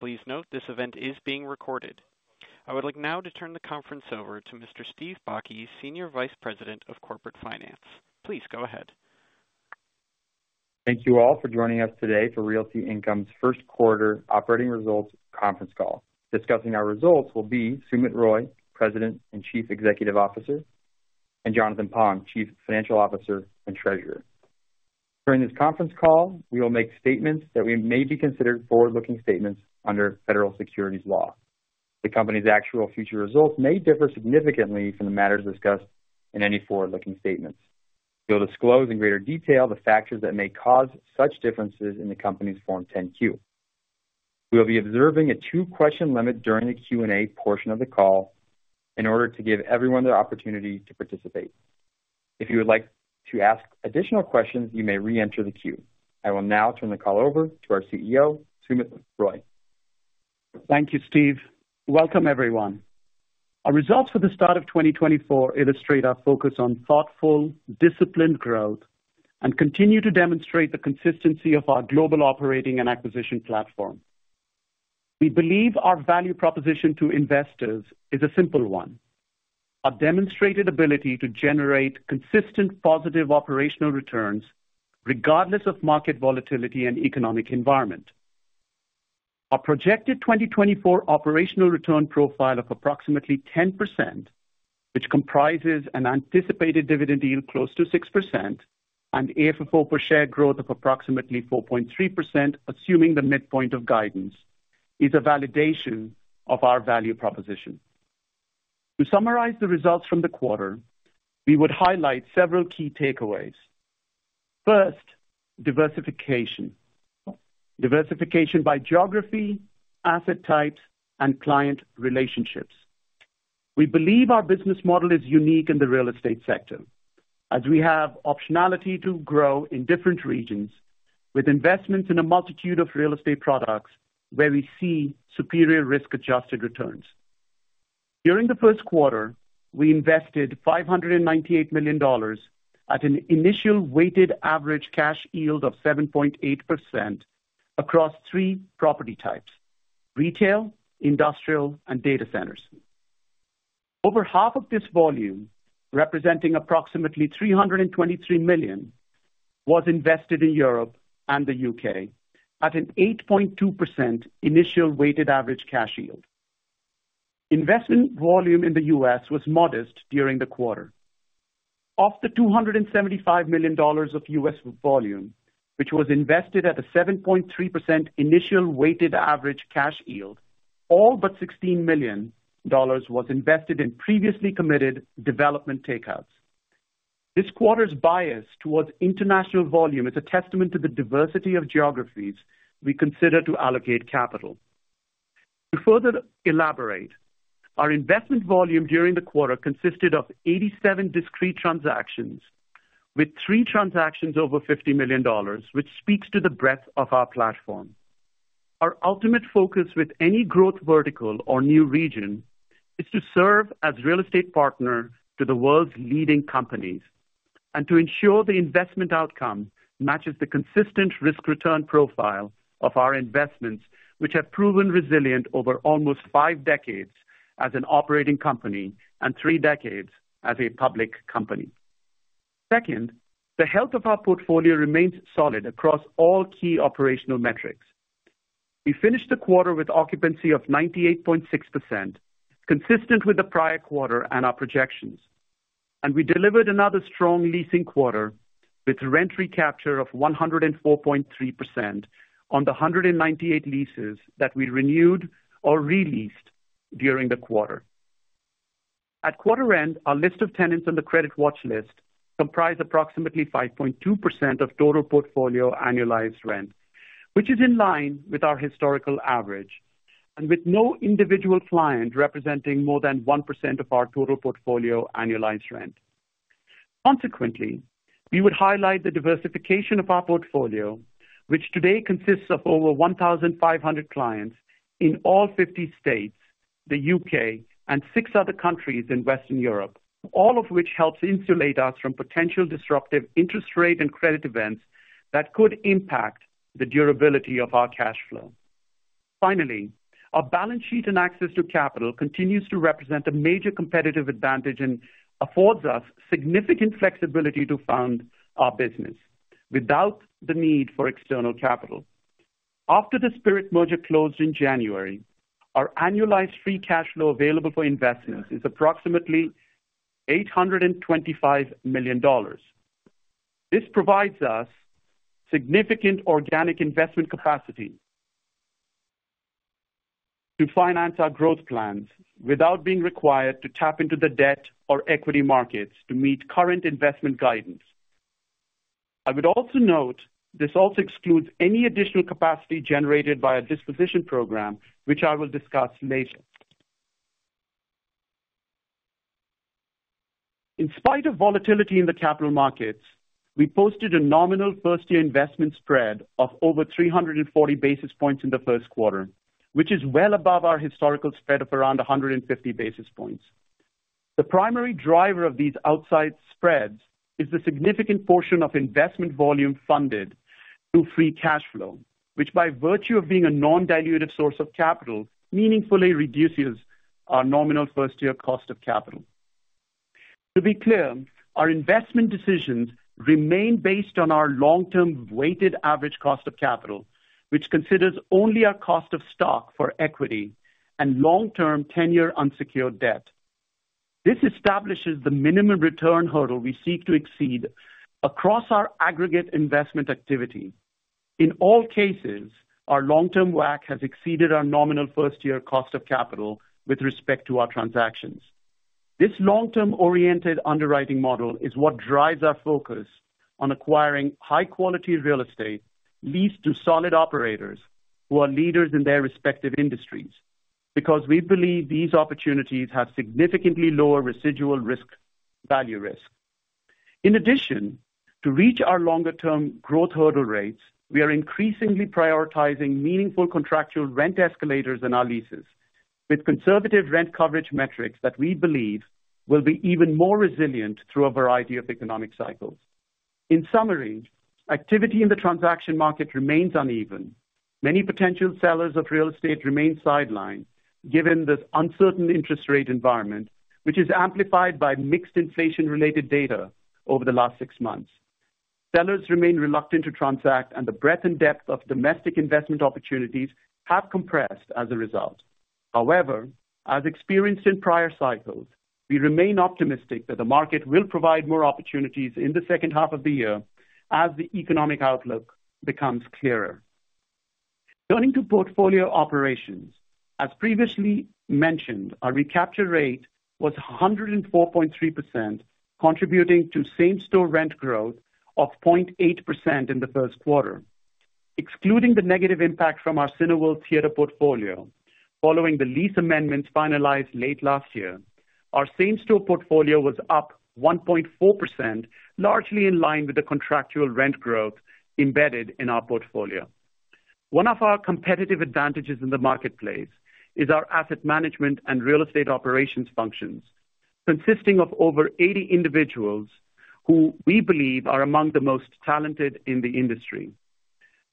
Please note, this event is being recorded. I would like now to turn the conference over to Mr. Steve Bakke, Senior Vice President of Corporate Finance. Please go ahead. Thank you all for joining us today for Realty Income's First Quarter Operating Results Conference Call. Discussing our results will be Sumit Roy, President and Chief Executive Officer, and Jonathan Pong, Chief Financial Officer and Treasurer. During this conference call, we will make statements that we may be considered forward-looking statements under federal securities law. The company's actual future results may differ significantly from the matters discussed in any forward-looking statements. We'll disclose in greater detail the factors that may cause such differences in the company's Form 10-Q. We will be observing a two-question limit during the Q&A portion of the call in order to give everyone the opportunity to participate. If you would like to ask additional questions, you may re-enter the queue. I will now turn the call over to our CEO, Sumit Roy. Thank you, Steve. Welcome, everyone. Our results for the start of 2024 illustrate our focus on thoughtful, disciplined growth and continue to demonstrate the consistency of our global operating and acquisition platform. We believe our value proposition to investors is a simple one: A demonstrated ability to generate consistent, positive operational returns regardless of market volatility and economic environment. Our projected 2024 operational return profile of approximately 10%, which comprises an anticipated dividend yield close to 6% and AFFO per share growth of approximately 4.3%, assuming the midpoint of guidance, is a validation of our value proposition. To summarize the results from the quarter, we would highlight several key takeaways. First, diversification. Diversification by geography, asset type, and client relationships. We believe our business model is unique in the real estate sector, as we have optionality to grow in different regions with investments in a multitude of real estate products where we see superior risk-adjusted returns. During the first quarter, we invested $598 million at an initial weighted average cash yield of 7.8% across three property types: retail, industrial, and data centers. Over half of this volume, representing approximately $323 million, was invested in Europe and the U.K. at an 8.2% initial weighted average cash yield. Investment volume in the U.S. was modest during the quarter. Of the $275 million of U.S. volume, which was invested at a 7.3% initial weighted average cash yield, all but $16 million was invested in previously committed development takeouts. This quarter's bias towards international volume is a testament to the diversity of geographies we consider to allocate capital. To further elaborate, our investment volume during the quarter consisted of 87 discrete transactions, with three transactions over $50 million, which speaks to the breadth of our platform. Our ultimate focus with any growth vertical or new region is to serve as real estate partner to the world's leading companies and to ensure the investment outcome matches the consistent risk-return profile of our investments, which have proven resilient over almost five decades as an operating company and three decades as a public company. Second, the health of our portfolio remains solid across all key operational metrics. We finished the quarter with occupancy of 98.6%, consistent with the prior quarter and our projections. We delivered another strong leasing quarter with rent recapture of 104.3% on the 198 leases that we renewed or re-leased during the quarter. At quarter end, our list of tenants on the credit watch list comprised approximately 5.2% of total portfolio annualized rent, which is in line with our historical average, and with no individual client representing more than 1% of our total portfolio annualized rent. Consequently, we would highlight the diversification of our portfolio, which today consists of over 1,500 clients in all 50 states, the U.K., and 6 other countries in Western Europe, all of which helps insulate us from potential disruptive interest rate and credit events that could impact the durability of our cash flow. Finally, our balance sheet and access to capital continues to represent a major competitive advantage and affords us significant flexibility to fund our business without the need for external capital. After the Spirit merger closed in January, our annualized free cash flow available for investment is approximately $825 million. This provides us significant organic investment capacity to finance our growth plans without being required to tap into the debt or equity markets to meet current investment guidance. I would also note this also excludes any additional capacity generated by a disposition program, which I will discuss later. In spite of volatility in the capital markets, we posted a nominal first-year investment spread of over 340 basis points in the first quarter, which is well above our historical spread of around 150 basis points.... The primary driver of these outsized spreads is the significant portion of investment volume funded through free cash flow, which by virtue of being a non-dilutive source of capital, meaningfully reduces our nominal first-year cost of capital. To be clear, our investment decisions remain based on our long-term weighted average cost of capital, which considers only our cost of stock for equity and long-term tenor unsecured debt. This establishes the minimum return hurdle we seek to exceed across our aggregate investment activity. In all cases, our long-term WACC has exceeded our nominal first-year cost of capital with respect to our transactions. This long-term oriented underwriting model is what drives our focus on acquiring high-quality real estate, leads to solid operators who are leaders in their respective industries, because we believe these opportunities have significantly lower residual risk, value risk. In addition, to reach our longer term growth hurdle rates, we are increasingly prioritizing meaningful contractual rent escalators in our leases, with conservative rent coverage metrics that we believe will be even more resilient through a variety of economic cycles. In summary, activity in the transaction market remains uneven. Many potential sellers of real estate remain sidelined, given this uncertain interest rate environment, which is amplified by mixed inflation-related data over the last six months. Sellers remain reluctant to transact, and the breadth and depth of domestic investment opportunities have compressed as a result. However, as experienced in prior cycles, we remain optimistic that the market will provide more opportunities in the second half of the year as the economic outlook becomes clearer. Turning to portfolio operations. As previously mentioned, our recapture rate was 104.3%, contributing to same-store rent growth of 0.8% in the first quarter. Excluding the negative impact from our Cineworld theater portfolio, following the lease amendments finalized late last year, our same-store portfolio was up 1.4%, largely in line with the contractual rent growth embedded in our portfolio. One of our competitive advantages in the marketplace is our asset management and real estate operations functions, consisting of over 80 individuals who we believe are among the most talented in the industry.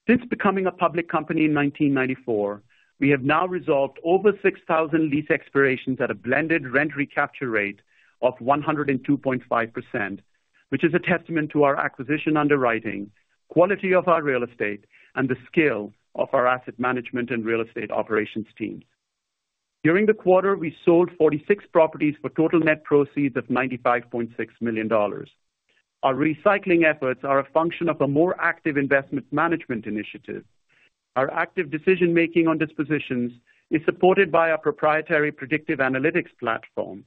Since becoming a public company in 1994, we have now resolved over 6,000 lease expirations at a blended rent recapture rate of 102.5%, which is a testament to our acquisition underwriting, quality of our real estate, and the scale of our asset management and real estate operations teams. During the quarter, we sold 46 properties for total net proceeds of $95.6 million. Our recycling efforts are a function of a more active investment management initiative. Our active decision-making on dispositions is supported by our proprietary predictive analytics platform.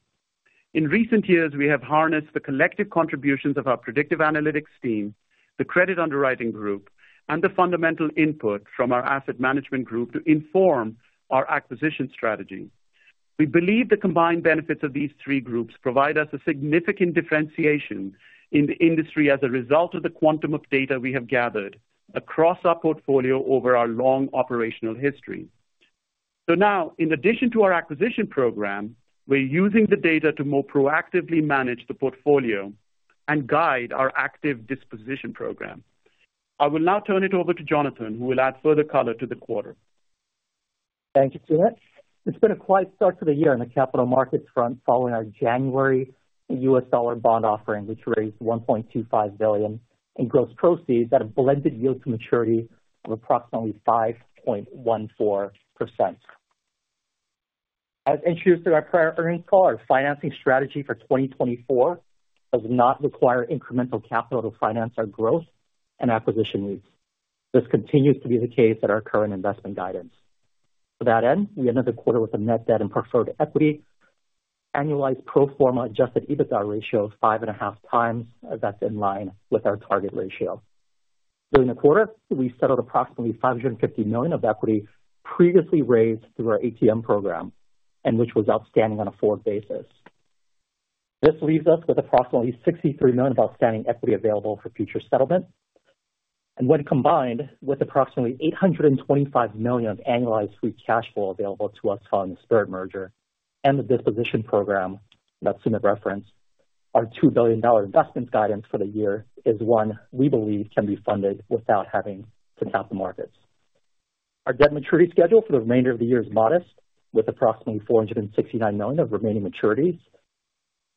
In recent years, we have harnessed the collective contributions of our predictive analytics team, the credit underwriting group, and the fundamental input from our asset management group to inform our acquisition strategy. We believe the combined benefits of these three groups provide us a significant differentiation in the industry as a result of the quantum of data we have gathered across our portfolio over our long operational history. So now, in addition to our acquisition program, we're using the data to more proactively manage the portfolio and guide our active disposition program. I will now turn it over to Jonathan, who will add further color to the quarter. Thank you, Sumit. It's been a quiet start to the year on the capital markets front, following our January U.S. dollar bond offering, which raised $1.25 billion in gross proceeds at a blended yield to maturity of approximately 5.14%. As introduced in our prior earnings call, our financing strategy for 2024 does not require incremental capital to finance our growth and acquisition needs. This continues to be the case at our current investment guidance. To that end, we had another quarter with a net debt and preferred equity annualized pro forma Adjusted EBITDA ratio of 5.5x. That's in line with our target ratio. During the quarter, we settled approximately $550 million of equity previously raised through our ATM program and which was outstanding on a forward basis. This leaves us with approximately $63 million of outstanding equity available for future settlement, and when combined with approximately $825 million of annualized free cash flow available to us following the Spirit merger and the disposition program that Sumit referenced, our $2 billion investment guidance for the year is one we believe can be funded without having to tap the markets. Our debt maturity schedule for the remainder of the year is modest, with approximately $469 million of remaining maturities,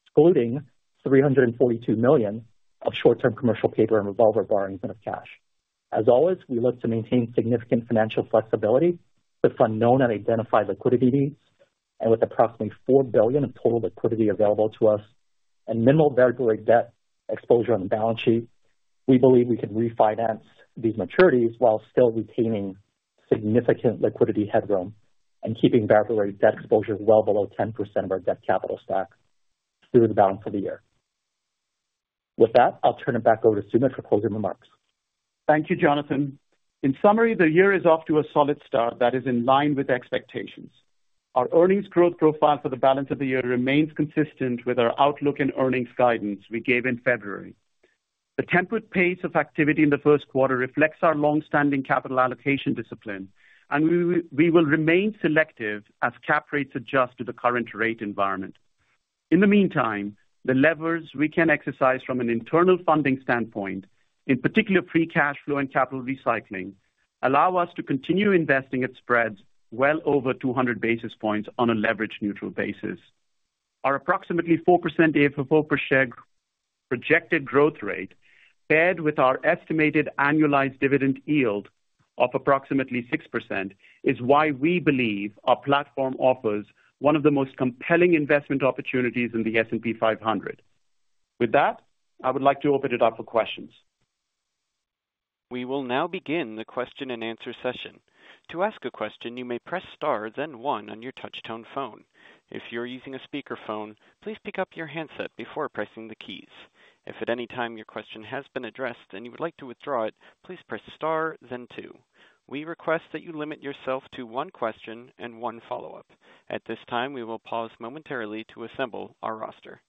excluding $342 million of short-term commercial paper and revolver borrowings and net of cash. As always, we look to maintain significant financial flexibility to fund known and identified liquidity needs, and with approximately $4 billion of total liquidity available to us and minimal variable debt exposure on the balance sheet, we believe we can refinance these maturities while still retaining significant liquidity headroom and keeping variable debt exposure well below 10% of our debt capital stack through the balance of the year. With that, I'll turn it back over to Sumit for closing remarks. Thank you, Jonathan. In summary, the year is off to a solid start that is in line with expectations. Our earnings growth profile for the balance of the year remains consistent with our outlook and earnings guidance we gave in February.... The temperate pace of activity in the first quarter reflects our long-standing capital allocation discipline, and we will remain selective as cap rates adjust to the current rate environment. In the meantime, the levers we can exercise from an internal funding standpoint, in particular, free cash flow and capital recycling, allow us to continue investing at spreads well over 200 basis points on a leverage neutral basis. Our approximately 4% AFFO per share projected growth rate, paired with our estimated annualized dividend yield of approximately 6%, is why we believe our platform offers one of the most compelling investment opportunities in the S&P 500. With that, I would like to open it up for questions. We will now begin the question and answer session. To ask a question, you may press star, then one on your touchtone phone. If you're using a speakerphone, please pick up your handset before pressing the keys. If at any time your question has been addressed and you would like to withdraw it, please press star then two. We request that you limit yourself to one question and one follow-up. At this time, we will pause momentarily to assemble our roster.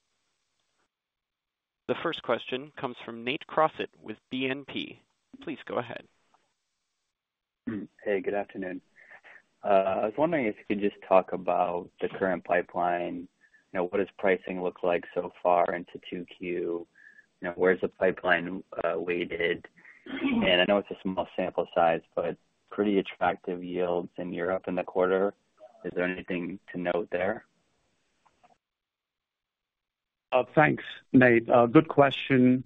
The first question comes from Nate Crossett with BNP. Please go ahead. Hey, good afternoon. I was wondering if you could just talk about the current pipeline. You know, what does pricing look like so far into 2Q? You know, where's the pipeline weighted? And I know it's a small sample size, but pretty attractive yields in Europe in the quarter. Is there anything to note there? Thanks, Nate. Good question.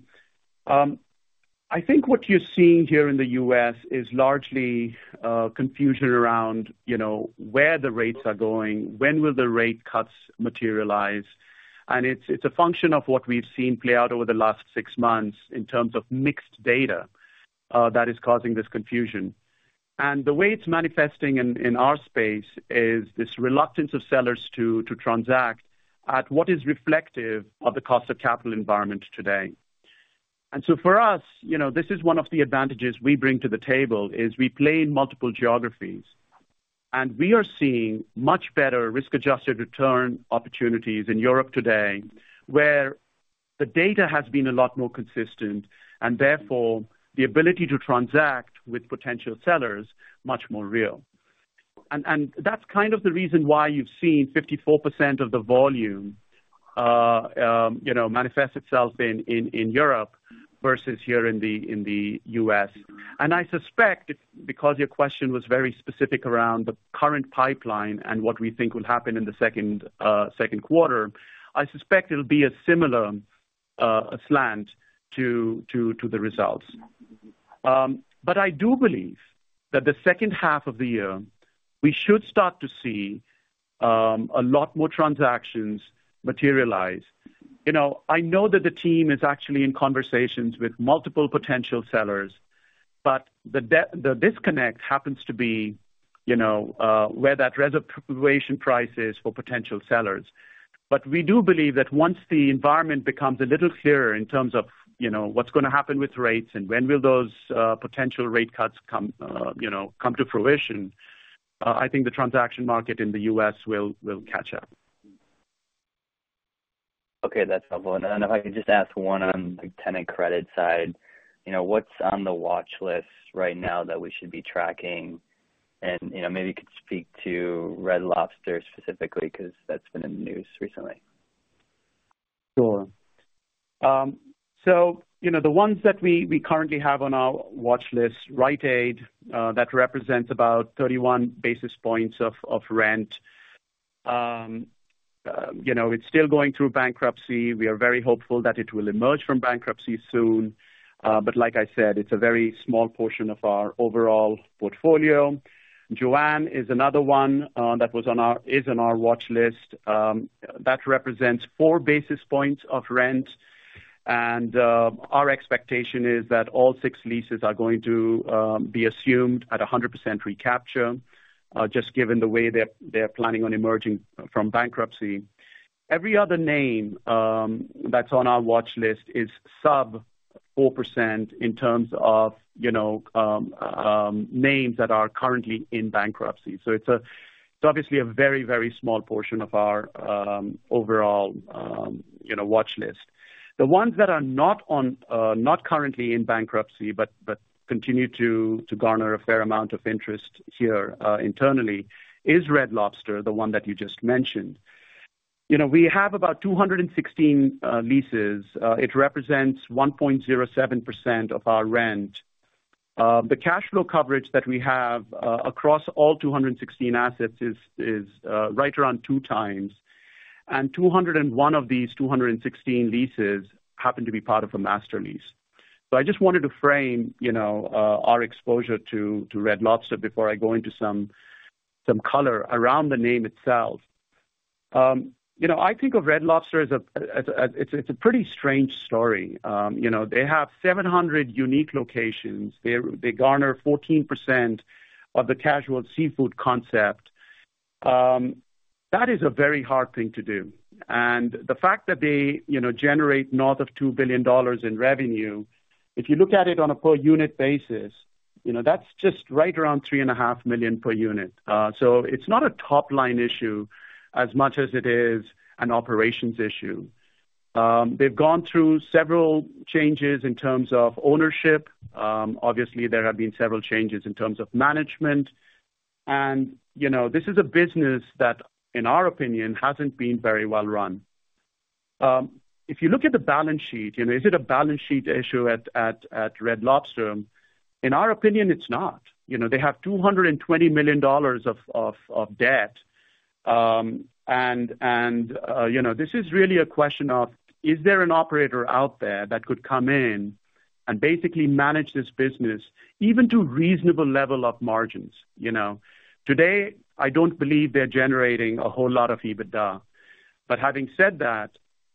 I think what you're seeing here in the U.S. is largely confusion around, you know, where the rates are going, when will the rate cuts materialize. And it's, it's a function of what we've seen play out over the last six months in terms of mixed data that is causing this confusion. And the way it's manifesting in, in our space is this reluctance of sellers to, to transact at what is reflective of the cost of capital environment today. And so for us, you know, this is one of the advantages we bring to the table, is we play in multiple geographies. And we are seeing much better risk-adjusted return opportunities in Europe today, where the data has been a lot more consistent, and therefore, the ability to transact with potential sellers much more real. And that's kind of the reason why you've seen 54% of the volume, you know, manifest itself in Europe versus here in the U.S. And I suspect, because your question was very specific around the current pipeline and what we think will happen in the second quarter, I suspect it'll be a similar slant to the results. But I do believe that the second half of the year, we should start to see a lot more transactions materialize. You know, I know that the team is actually in conversations with multiple potential sellers, but the disconnect happens to be, you know, where that reservation price is for potential sellers. But we do believe that once the environment becomes a little clearer in terms of, you know, what's gonna happen with rates and when will those, potential rate cuts come, you know, come to fruition, I think the transaction market in the U.S. will catch up. Okay, that's helpful. And then if I could just ask one on the tenant credit side, you know, what's on the watch list right now that we should be tracking? And, you know, maybe you could speak to Red Lobster specifically, 'cause that's been in the news recently. Sure. So you know, the ones that we currently have on our watch list, Rite Aid, that represents about 31 basis points of rent. You know, it's still going through bankruptcy. We are very hopeful that it will emerge from bankruptcy soon. But like I said, it's a very small portion of our overall portfolio. JOANN is another one, that was on our -- is on our watch list. That represents 4 basis points of rent, and our expectation is that all six leases are going to be assumed at a 100% recapture, just given the way they're planning on emerging from bankruptcy. Every other name, that's on our watch list is sub 4% in terms of, you know, names that are currently in bankruptcy. So it's obviously a very, very small portion of our overall, you know, watch list. The ones that are not on, not currently in bankruptcy, but continue to garner a fair amount of interest here internally is Red Lobster, the one that you just mentioned. You know, we have about 216 leases. It represents 1.07% of our rent. The cash flow coverage that we have across all 216 assets is right around two times, and 201 of these 216 leases happen to be part of a master lease. So I just wanted to frame, you know, our exposure to Red Lobster before I go into some color around the name itself. You know, I think of Red Lobster as a pretty strange story. You know, they have 700 unique locations. They, they garner 14% of the casual seafood concept. That is a very hard thing to do. And the fact that they, you know, generate north of $2 billion in revenue, if you look at it on a per unit basis. You know, that's just right around $3.5 million per unit. So it's not a top-line issue as much as it is an operations issue. They've gone through several changes in terms of ownership. Obviously, there have been several changes in terms of management, and, you know, this is a business that, in our opinion, hasn't been very well run. If you look at the balance sheet, you know, is it a balance sheet issue at Red Lobster? In our opinion, it's not. You know, they have $220 million of debt. And, you know, this is really a question of, is there an operator out there that could come in and basically manage this business, even to reasonable level of margins, you know? Today, I don't believe they're generating a whole lot of EBITDA. But having said that,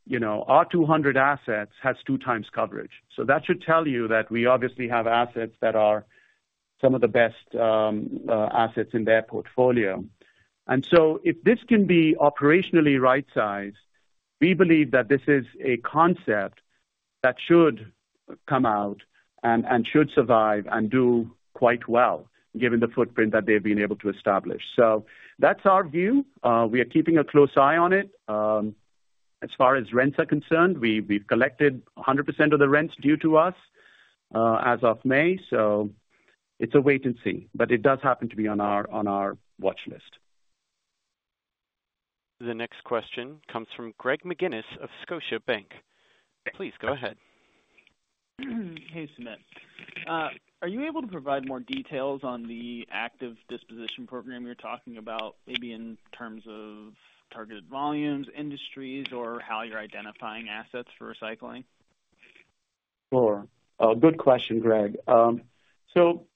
you know, our 200 assets has 2x coverage. So that should tell you that we obviously have assets that are some of the best assets in their portfolio. So if this can be operationally right-sized, we believe that this is a concept that should come out and should survive and do quite well, given the footprint that they've been able to establish. So that's our view. We are keeping a close eye on it. As far as rents are concerned, we've collected 100% of the rents due to us, as of May, so it's a wait-and-see, but it does happen to be on our watch list. The next question comes from Greg McGinnis of Scotiabank. Please, go ahead. Hey, Sumit. Are you able to provide more details on the active disposition program you're talking about, maybe in terms of targeted volumes, industries, or how you're identifying assets for recycling? Sure. A good question, Greg. So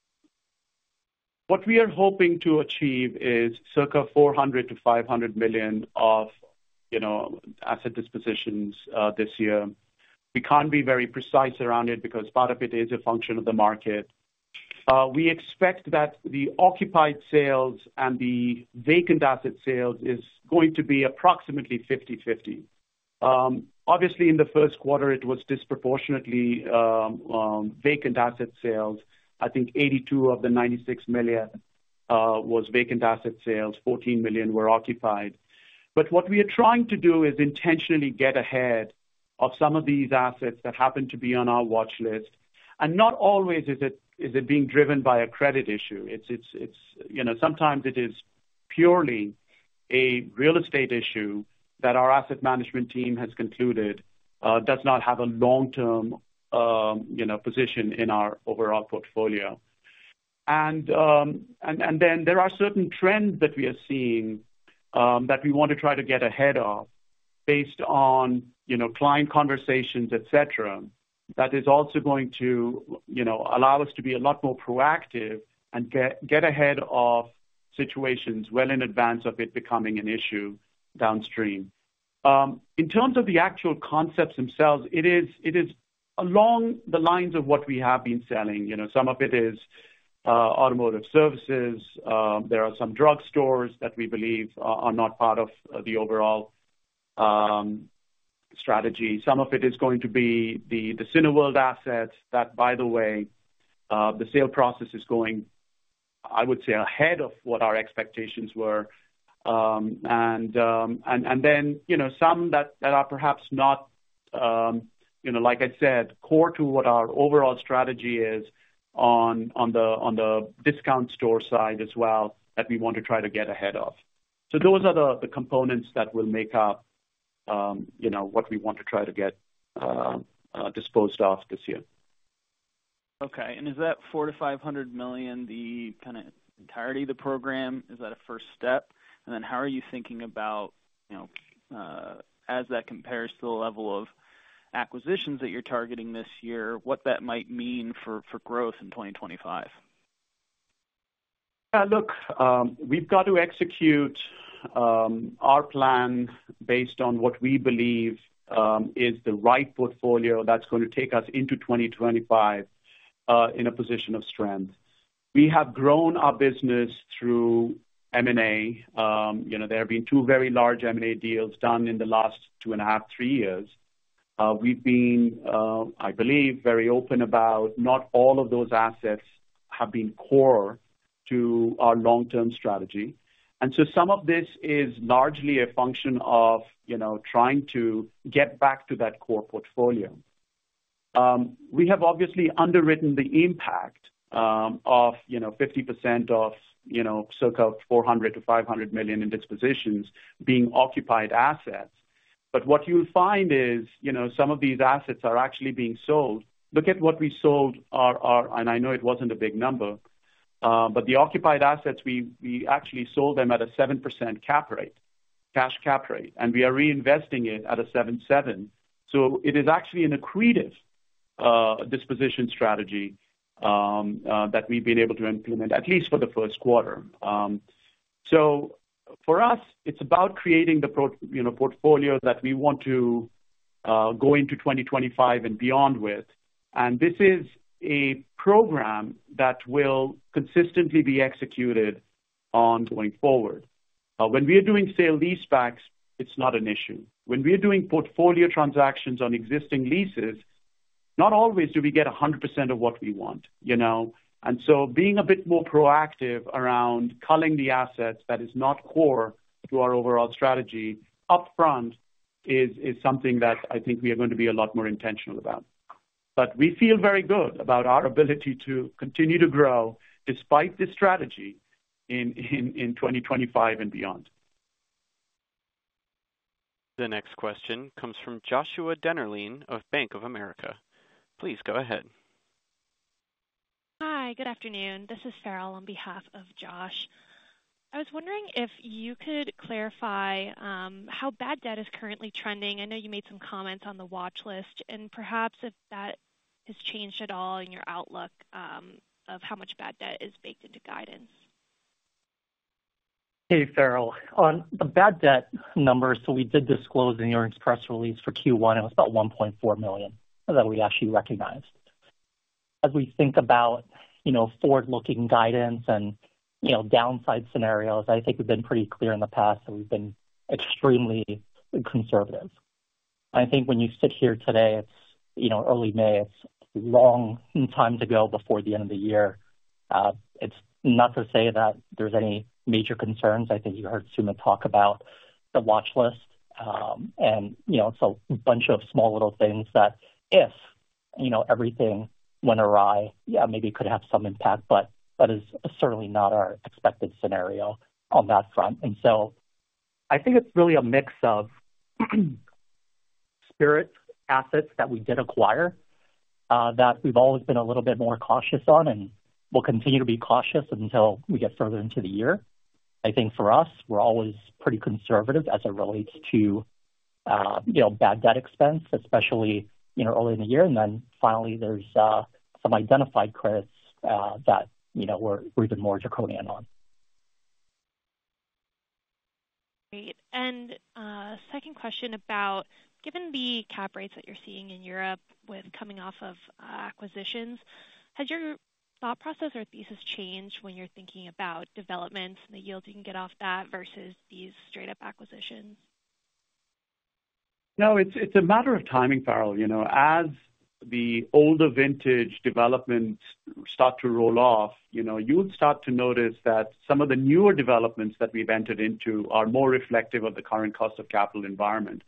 what we are hoping to achieve is circa $400 million-$500 million of, you know, asset dispositions this year. We can't be very precise around it because part of it is a function of the market. We expect that the occupied sales and the vacant asset sales is going to be approximately 50/50. Obviously, in the first quarter, it was disproportionately vacant asset sales. I think $82 million of the $96 million was vacant asset sales, $14 million were occupied. But what we are trying to do is intentionally get ahead of some of these assets that happen to be on our watch list, and not always is it being driven by a credit issue. It's— You know, sometimes it is purely a real estate issue that our asset management team has concluded does not have a long-term, you know, position in our overall portfolio. And then there are certain trends that we are seeing that we want to try to get ahead of based on, you know, client conversations, et cetera, that is also going to, you know, allow us to be a lot more proactive and get ahead of situations well in advance of it becoming an issue downstream. In terms of the actual concepts themselves, it is along the lines of what we have been selling. You know, some of it is automotive services. There are some drugstores that we believe are not part of the overall strategy. Some of it is going to be the Cineworld assets, that, by the way, the sale process is going, I would say, ahead of what our expectations were. And then, you know, some that are perhaps not, you know, like I said, core to what our overall strategy is on the discount store side as well, that we want to try to get ahead of. So those are the components that will make up, you know, what we want to try to get disposed of this year. Okay. Is that $400 million-$500 million, the kinda entirety of the program? Is that a first step? Then how are you thinking about, you know, as that compares to the level of acquisitions that you're targeting this year, what that might mean for, for growth in 2025? Yeah, look, we've got to execute our plan based on what we believe is the right portfolio that's going to take us into 2025 in a position of strength. We have grown our business through M&A. You know, there have been two very large M&A deals done in the last two and a half, three years. We've been, I believe, very open about not all of those assets have been core to our long-term strategy. And so some of this is largely a function of, you know, trying to get back to that core portfolio. We have obviously underwritten the impact of, you know, 50% of, you know, circa $400 million-$500 million in dispositions being occupied assets. But what you'll find is, you know, some of these assets are actually being sold. Look at what we sold our. And I know it wasn't a big number, but the occupied assets, we actually sold them at a 7% cap rate, cash cap rate, and we are reinvesting it at a 7.7. So it is actually an accretive disposition strategy that we've been able to implement, at least for the first quarter. So for us, it's about creating the, you know, portfolio that we want to go into 2025 and beyond with. And this is a program that will consistently be executed ongoing going forward when we are doing sale-leasebacks, it's not an issue. When we are doing portfolio transactions on existing leases, not always do we get 100% of what we want, you know? Being a bit more proactive around culling the assets that is not core to our overall strategy upfront is something that I think we are going to be a lot more intentional about. But we feel very good about our ability to continue to grow despite this strategy in 2025 and beyond. The next question comes from Joshua Dennerlein of Bank of America. Please go ahead. Hi, good afternoon. This is Farrell on behalf of Josh. I was wondering if you could clarify how bad debt is currently trending. I know you made some comments on the watch list, and perhaps if that has changed at all in your outlook of how much bad debt is baked into guidance. Hey, Farrell. On the bad debt numbers, so we did disclose in the earnings press release for Q1, it was about $1.4 million that we actually recognized. As we think about, you know, forward-looking guidance and, you know, downside scenarios, I think we've been pretty clear in the past that we've been extremely conservative. I think when you sit here today, it's, you know, early May, it's long time to go before the end of the year. It's not to say that there's any major concerns. I think you heard Sumit talk about the watch list. And, you know, it's a bunch of small little things that if, you know, everything went awry, yeah, maybe it could have some impact, but that is certainly not our expected scenario on that front. And so I think it's really a mix of Spirit assets that we did acquire that we've always been a little bit more cautious on and will continue to be cautious until we get further into the year. I think for us, we're always pretty conservative as it relates to you know, bad debt expense, especially you know, early in the year. And then finally, there's some identified credits that you know, we're even more draconian on. Great. Second question about, given the cap rates that you're seeing in Europe with coming off of, acquisitions, has your thought process or thesis changed when you're thinking about developments and the yields you can get off that versus these straight-up acquisitions? No, it's a matter of timing, Farrell. You know, as the older vintage developments start to roll off, you know, you would start to notice that some of the newer developments that we've entered into are more reflective of the current cost of capital environment,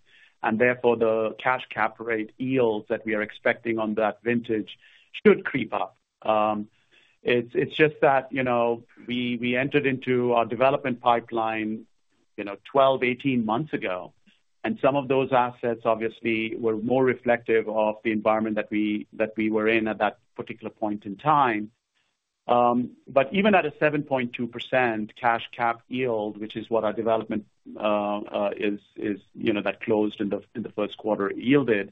and therefore, the cash cap rate yields that we are expecting on that vintage should creep up. It's just that, you know, we entered into our development pipeline, you know, 12-18 months ago, and some of those assets obviously were more reflective of the environment that we were in at that particular point in time. But even at a 7.2% cash cap yield, which is what our development is, you know, that closed in the first quarter yielded,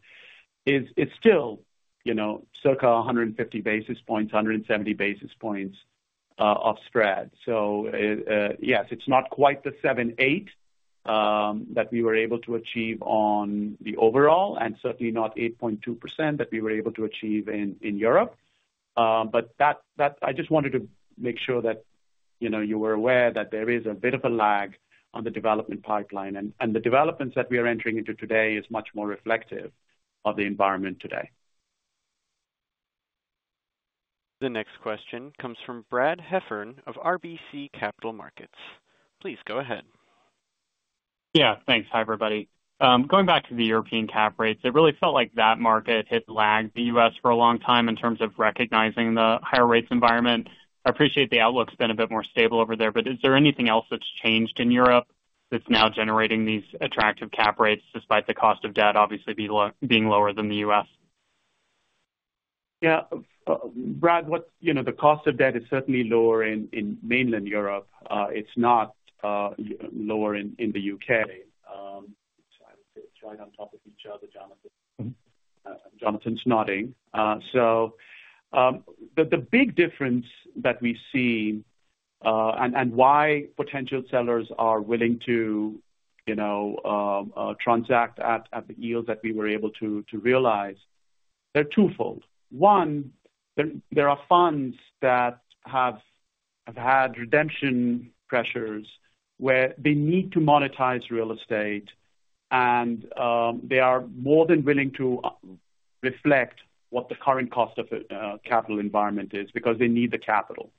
it's still, you know, circa 150 basis points, 170 basis points of spread. So, yes, it's not quite the 7.8 that we were able to achieve on the overall, and certainly not 8.2% that we were able to achieve in Europe. But that, I just wanted to make sure that, you know, you were aware that there is a bit of a lag on the development pipeline, and the developments that we are entering into today is much more reflective of the environment today. The next question comes from Brad Heffern of RBC Capital Markets. Please go ahead. Yeah, thanks. Hi, everybody. Going back to the European cap rates, it really felt like that market had lagged the U.S. for a long time in terms of recognizing the higher rates environment. I appreciate the outlook's been a bit more stable over there, but is there anything else that's changed in Europe that's now generating these attractive cap rates, despite the cost of debt obviously being lower than the U.S.? Yeah, Brad, you know, the cost of debt is certainly lower in mainland Europe. It's not lower in the U.K. So it's right on top of each other, Jonathan. Jonathan's nodding. So, the big difference that we've seen, and why potential sellers are willing to, you know, transact at the yield that we were able to realize, they're twofold. One, there are funds that have had redemption pressures where they need to monetize real estate, and they are more than willing to reflect what the current cost of capital environment is, because they need the capital.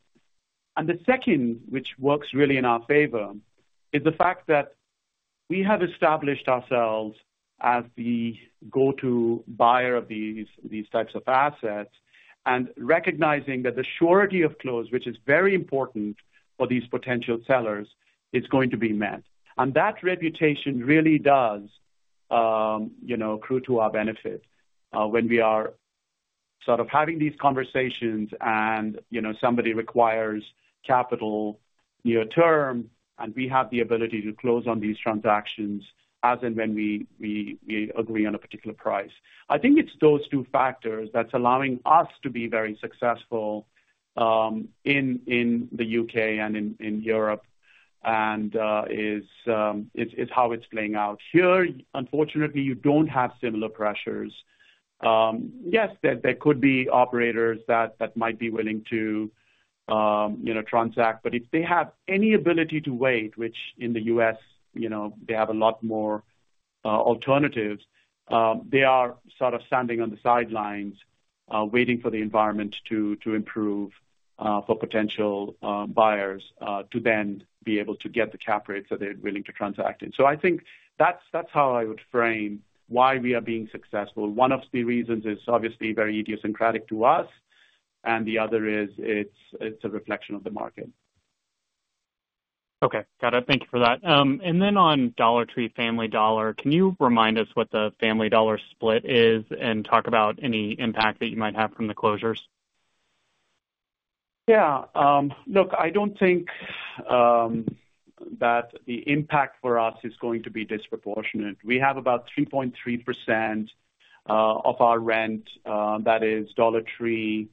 And the second, which works really in our favor, is the fact that we have established ourselves as the go-to buyer of these types of assets, and recognizing that the surety of close, which is very important for these potential sellers, is going to be met. And that reputation really does, you know, accrue to our benefit when we are sort of having these conversations and, you know, somebody requires capital near term, and we have the ability to close on these transactions as and when we agree on a particular price. I think it's those two factors that's allowing us to be very successful in the UK and in Europe, and is how it's playing out. Here, unfortunately, you don't have similar pressures.... Yes, there could be operators that might be willing to, you know, transact, but if they have any ability to wait, which in the U.S., you know, they have a lot more alternatives, they are sort of standing on the sidelines, waiting for the environment to improve, for potential buyers to then be able to get the cap rates that they're willing to transact in. So I think that's how I would frame why we are being successful. One of the reasons is obviously very idiosyncratic to us, and the other is it's a reflection of the market. Okay, got it. Thank you for that. And then on Dollar Tree, Family Dollar, can you remind us what the Family Dollar split is and talk about any impact that you might have from the closures? Yeah. Look, I don't think that the impact for us is going to be disproportionate. We have about 3.3% of our rent that is Dollar Tree,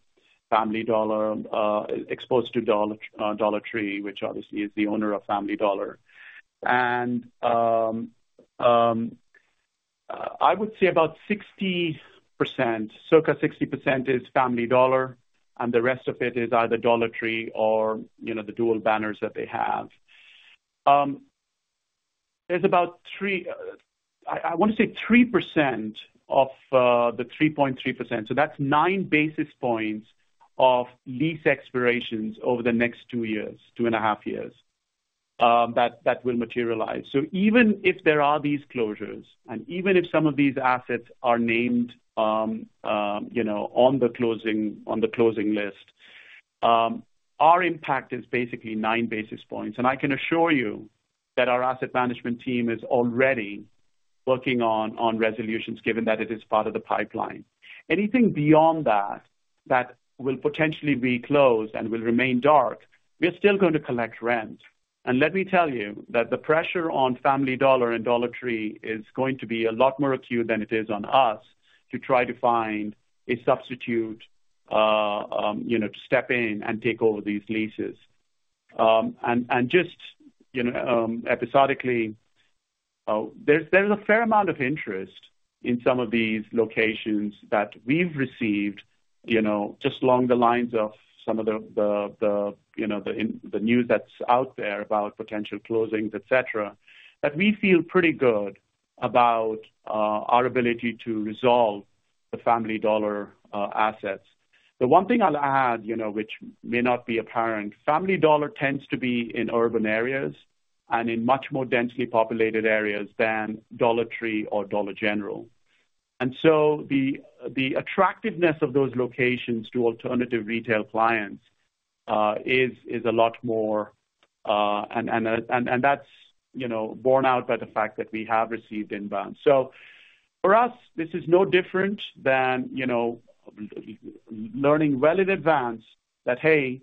Family Dollar, exposed to Dollar Tree, which obviously is the owner of Family Dollar. And I would say about 60%, circa 60% is Family Dollar, and the rest of it is either Dollar Tree or, you know, the dual banners that they have. There's about three... I want to say 3% of the 3.3%, so that's nine basis points of lease expirations over the next two years, two and a half years, that will materialize. So even if there are these closures, and even if some of these assets are named, you know, on the closing, on the closing list, our impact is basically nine basis points. And I can assure you that our asset management team is already working on, on resolutions, given that it is part of the pipeline. Anything beyond that, that will potentially be closed and will remain dark, we are still going to collect rent. And let me tell you that the pressure on Family Dollar and Dollar Tree is going to be a lot more acute than it is on us to try to find a substitute, you know, to step in and take over these leases. And just, you know, episodically, there's a fair amount of interest in some of these locations that we've received, you know, just along the lines of some of the news that's out there about potential closings, et cetera, that we feel pretty good about our ability to resolve the Family Dollar assets. The one thing I'll add, you know, which may not be apparent, Family Dollar tends to be in urban areas and in much more densely populated areas than Dollar Tree or Dollar General. And so the attractiveness of those locations to alternative retail clients is a lot more... And that's, you know, borne out by the fact that we have received inbound. So for us, this is no different than, you know, learning well in advance that, hey,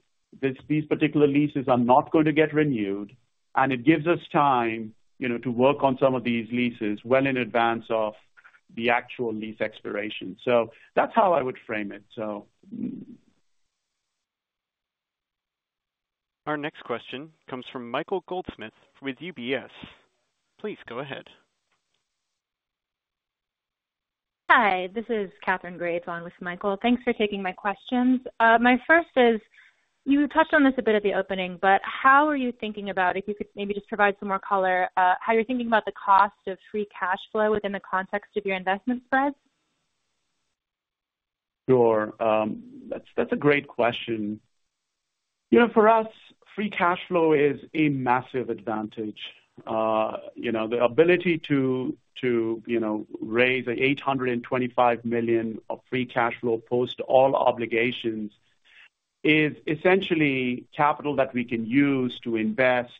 these particular leases are not going to get renewed, and it gives us time, you know, to work on some of these leases well in advance of the actual lease expiration. So that's how I would frame it, so. Our next question comes from Michael Goldsmith with UBS. Please go ahead. Hi, this is Catherine Graves along with Michael. Thanks for taking my questions. My first is, you touched on this a bit at the opening, but how are you thinking about, if you could maybe just provide some more color, how you're thinking about the cost of free cash flow within the context of your investment spread? Sure. That's, that's a great question. You know, for us, free cash flow is a massive advantage. You know, the ability to raise $825 million of free cash flow post all obligations is essentially capital that we can use to invest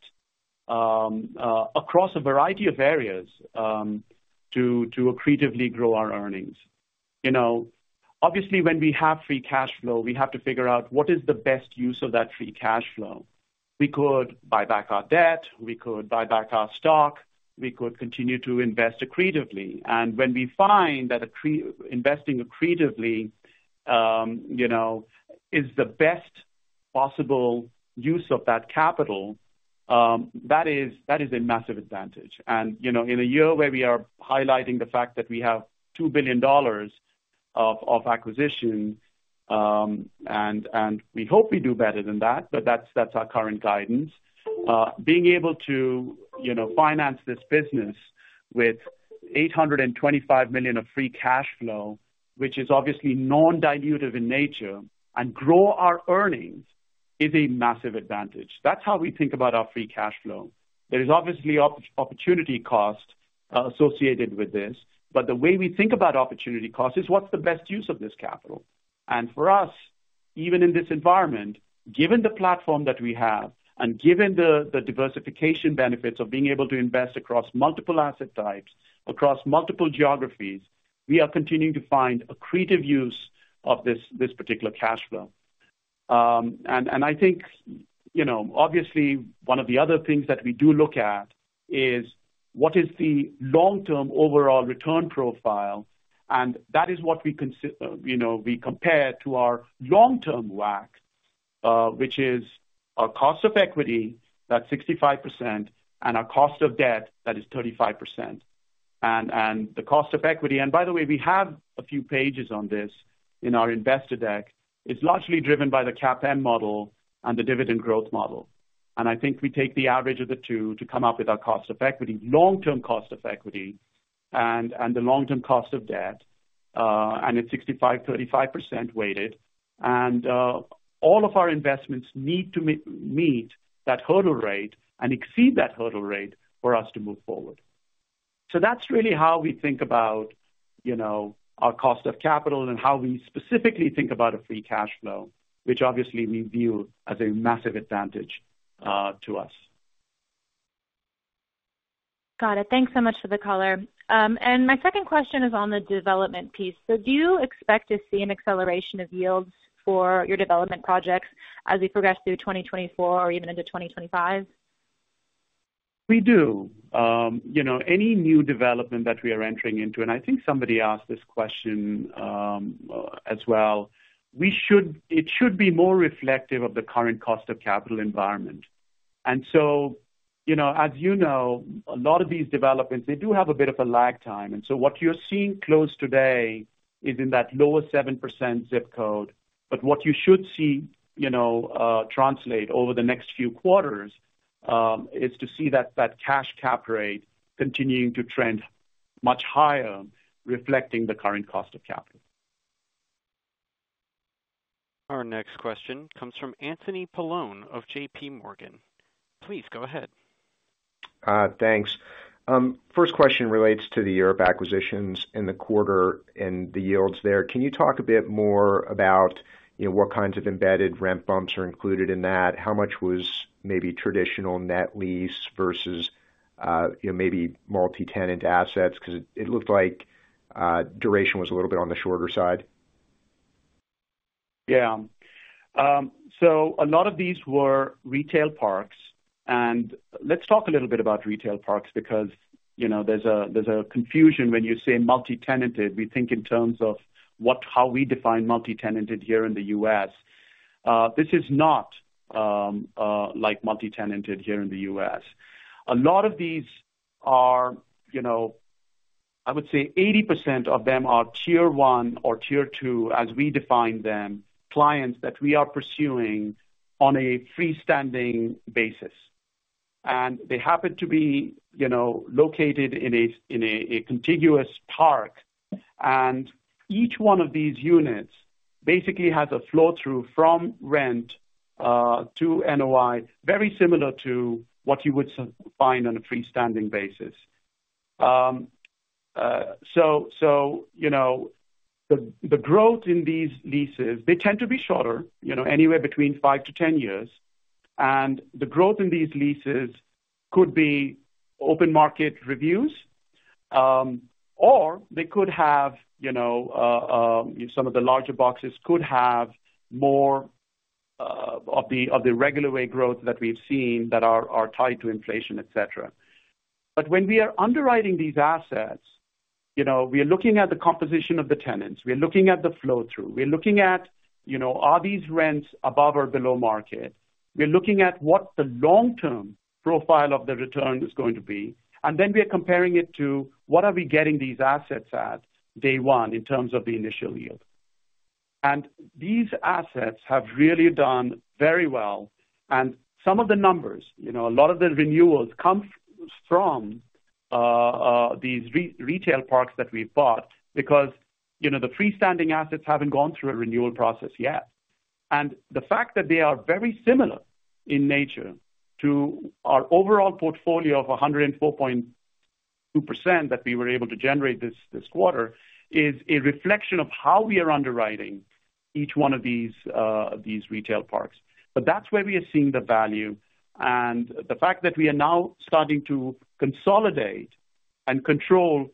across a variety of areas, to accretively grow our earnings. You know, obviously, when we have free cash flow, we have to figure out what is the best use of that free cash flow. We could buy back our debt, we could buy back our stock, we could continue to invest accretively. And when we find that investing accretively, you know, is the best possible use of that capital, that is, that is a massive advantage. And, you know, in a year where we are highlighting the fact that we have $2 billion of acquisition, and we hope we do better than that, but that's our current guidance. Being able to, you know, finance this business with $825 million of free cash flow, which is obviously non-dilutive in nature, and grow our earnings, is a massive advantage. That's how we think about our free cash flow. There is obviously opportunity cost associated with this, but the way we think about opportunity cost is what's the best use of this capital? And for us, even in this environment, given the platform that we have, and given the diversification benefits of being able to invest across multiple asset types, across multiple geographies, we are continuing to find accretive use of this particular cash flow. And I think, you know, obviously one of the other things that we do look at is what is the long-term overall return profile? And that is what we, you know, compare to our long-term WACC, which is our cost of equity, that's 65%, and our cost of debt, that is 35%. And the cost of equity, and by the way, we have a few pages on this in our investor deck, is largely driven by the CAPM model and the dividend growth model. And I think we take the average of the two to come up with our cost of equity, long-term cost of equity, and the long-term cost of debt, and it's 65-35% weighted. All of our investments need to meet that hurdle rate and exceed that hurdle rate for us to move forward. So that's really how we think about, you know, our cost of capital and how we specifically think about a free cash flow, which obviously we view as a massive advantage to us. Got it. Thanks so much for the color. My second question is on the development piece. Do you expect to see an acceleration of yields for your development projects as we progress through 2024 or even into 2025? We do. You know, any new development that we are entering into, and I think somebody asked this question, as well, it should be more reflective of the current cost of capital environment. And so, you know, as you know, a lot of these developments, they do have a bit of a lag time, and so what you're seeing close today is in that lower 7% zip code. But what you should see, you know, translate over the next few quarters, is to see that, that cash cap rate continuing to trend much higher, reflecting the current cost of capital. Our next question comes from Anthony Paolone of J.P. Morgan. Please go ahead. Thanks. First question relates to the Europe acquisitions in the quarter and the yields there. Can you talk a bit more about, you know, what kinds of embedded rent bumps are included in that? How much was maybe traditional net lease versus, you know, maybe multi-tenant assets? Because it looked like duration was a little bit on the shorter side. Yeah. So a lot of these were retail parks, and let's talk a little bit about retail parks, because, you know, there's a confusion when you say multi-tenanted. We think in terms of what - how we define multi-tenanted here in the U.S. This is not like multi-tenanted here in the U.S. A lot of these are, you know, I would say 80% of them are tier one or tier two, as we define them, clients that we are pursuing on a freestanding basis. And they happen to be, you know, located in a contiguous park, and each one of these units basically has a flow-through from rent to NOI, very similar to what you would find on a freestanding basis. So, you know, the growth in these leases, they tend to be shorter, you know, anywhere between five-10 years, and the growth in these leases could be open market reviews, or they could have, you know, some of the larger boxes could have more of the regular way growth that we've seen that are tied to inflation, etc. But when we are underwriting these assets, you know, we are looking at the composition of the tenants, we're looking at the flow through, we're looking at, you know, are these rents above or below market? We're looking at what the long-term profile of the return is going to be, and then we are comparing it to what are we getting these assets at, day one, in terms of the initial yield. These assets have really done very well. Some of the numbers, you know, a lot of the renewals comes from these retail parks that we bought, because, you know, the freestanding assets haven't gone through a renewal process yet. The fact that they are very similar in nature to our overall portfolio of 104.2%, that we were able to generate this quarter, is a reflection of how we are underwriting each one of these retail parks. But that's where we are seeing the value. The fact that we are now starting to consolidate and control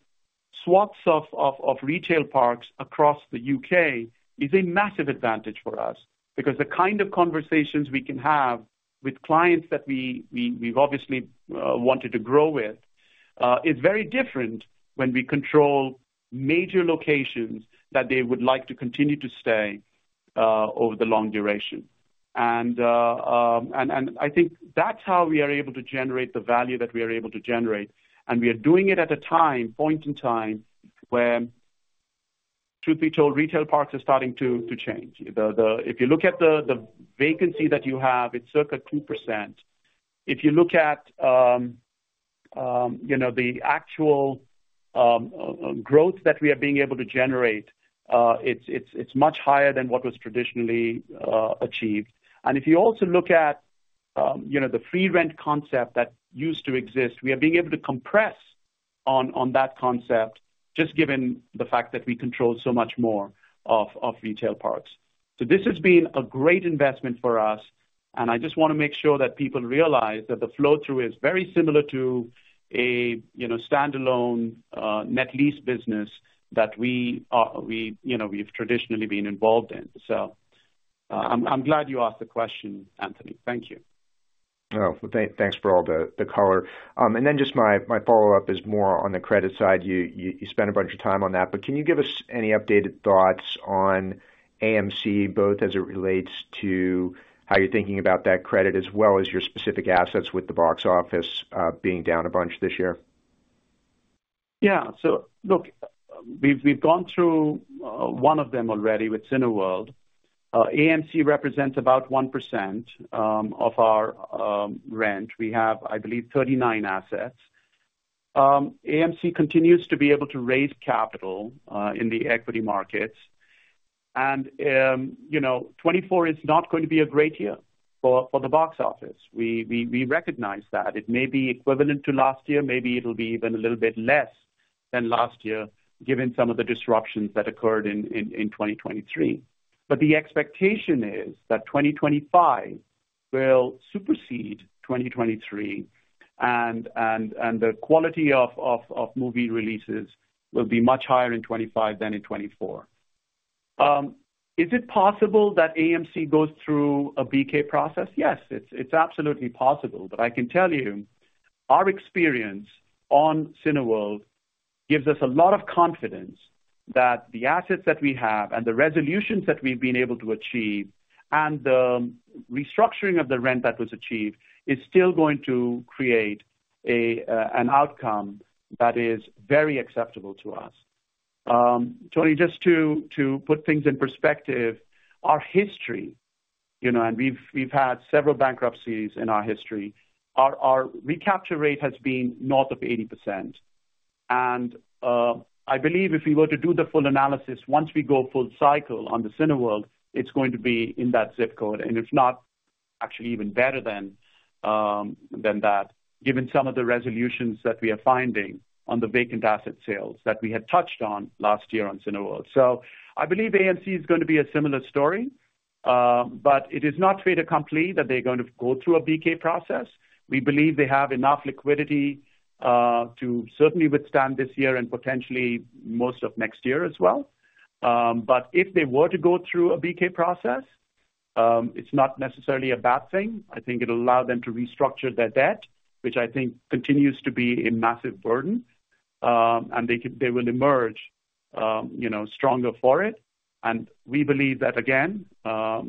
swaths of retail parks across the U.K. is a massive advantage for us, because the kind of conversations we can have with clients that we've obviously wanted to grow with is very different when we control major locations that they would like to continue to stay over the long duration. I think that's how we are able to generate the value that we are able to generate, and we are doing it at a point in time when, truth be told, retail parks are starting to change. If you look at the vacancy that you have, it's circa 2%. If you look at, you know, the actual growth that we are being able to generate, it's much higher than what was traditionally achieved. And if you also look at, you know, the free rent concept that used to exist, we are being able to compress on that concept, just given the fact that we control so much more of retail parks. So this has been a great investment for us, and I just want to make sure that people realize that the flow-through is very similar to a, you know, standalone net lease business that we are, we, you know, we've traditionally been involved in. So, I'm glad you asked the question, Anthony. Thank you. Oh, well, thanks for all the color. And then just my follow-up is more on the credit side. You spent a bunch of time on that, but can you give us any updated thoughts on AMC, both as it relates to how you're thinking about that credit as well as your specific assets with the box office being down a bunch this year? Yeah. So look, we've gone through one of them already with Cineworld. AMC represents about 1% of our rent. We have, I believe, 39 assets. AMC continues to be able to raise capital in the equity markets. And, you know, 2024 is not going to be a great year for the box office. We recognize that. It may be equivalent to last year, maybe it'll be even a little bit less than last year, given some of the disruptions that occurred in 2023. But the expectation is that 2025 will supersede 2023, and the quality of movie releases will be much higher in 2025 than in 2024. Is it possible that AMC goes through a BK process? Yes, it's absolutely possible, but I can tell you our experience on Cineworld gives us a lot of confidence that the assets that we have and the resolutions that we've been able to achieve, and the restructuring of the rent that was achieved is still going to create an outcome that is very acceptable to us. Anthony, just to put things in perspective, our history, you know, and we've had several bankruptcies in our history. Our recapture rate has been north of 80%. I believe if we were to do the full analysis, once we go full cycle on the Cineworld, it's going to be in that zip code, and if not, actually even better than that, given some of the resolutions that we are finding on the vacant asset sales that we had touched on last year on Cineworld. So I believe AMC is going to be a similar story, but it is not fait accompli that they're going to go through a BK process. We believe they have enough liquidity to certainly withstand this year and potentially most of next year as well. But if they were to go through a BK process, it's not necessarily a bad thing. I think it'll allow them to restructure their debt, which I think continues to be a massive burden, and they could -- they will emerge, you know, stronger for it. And we believe that, again,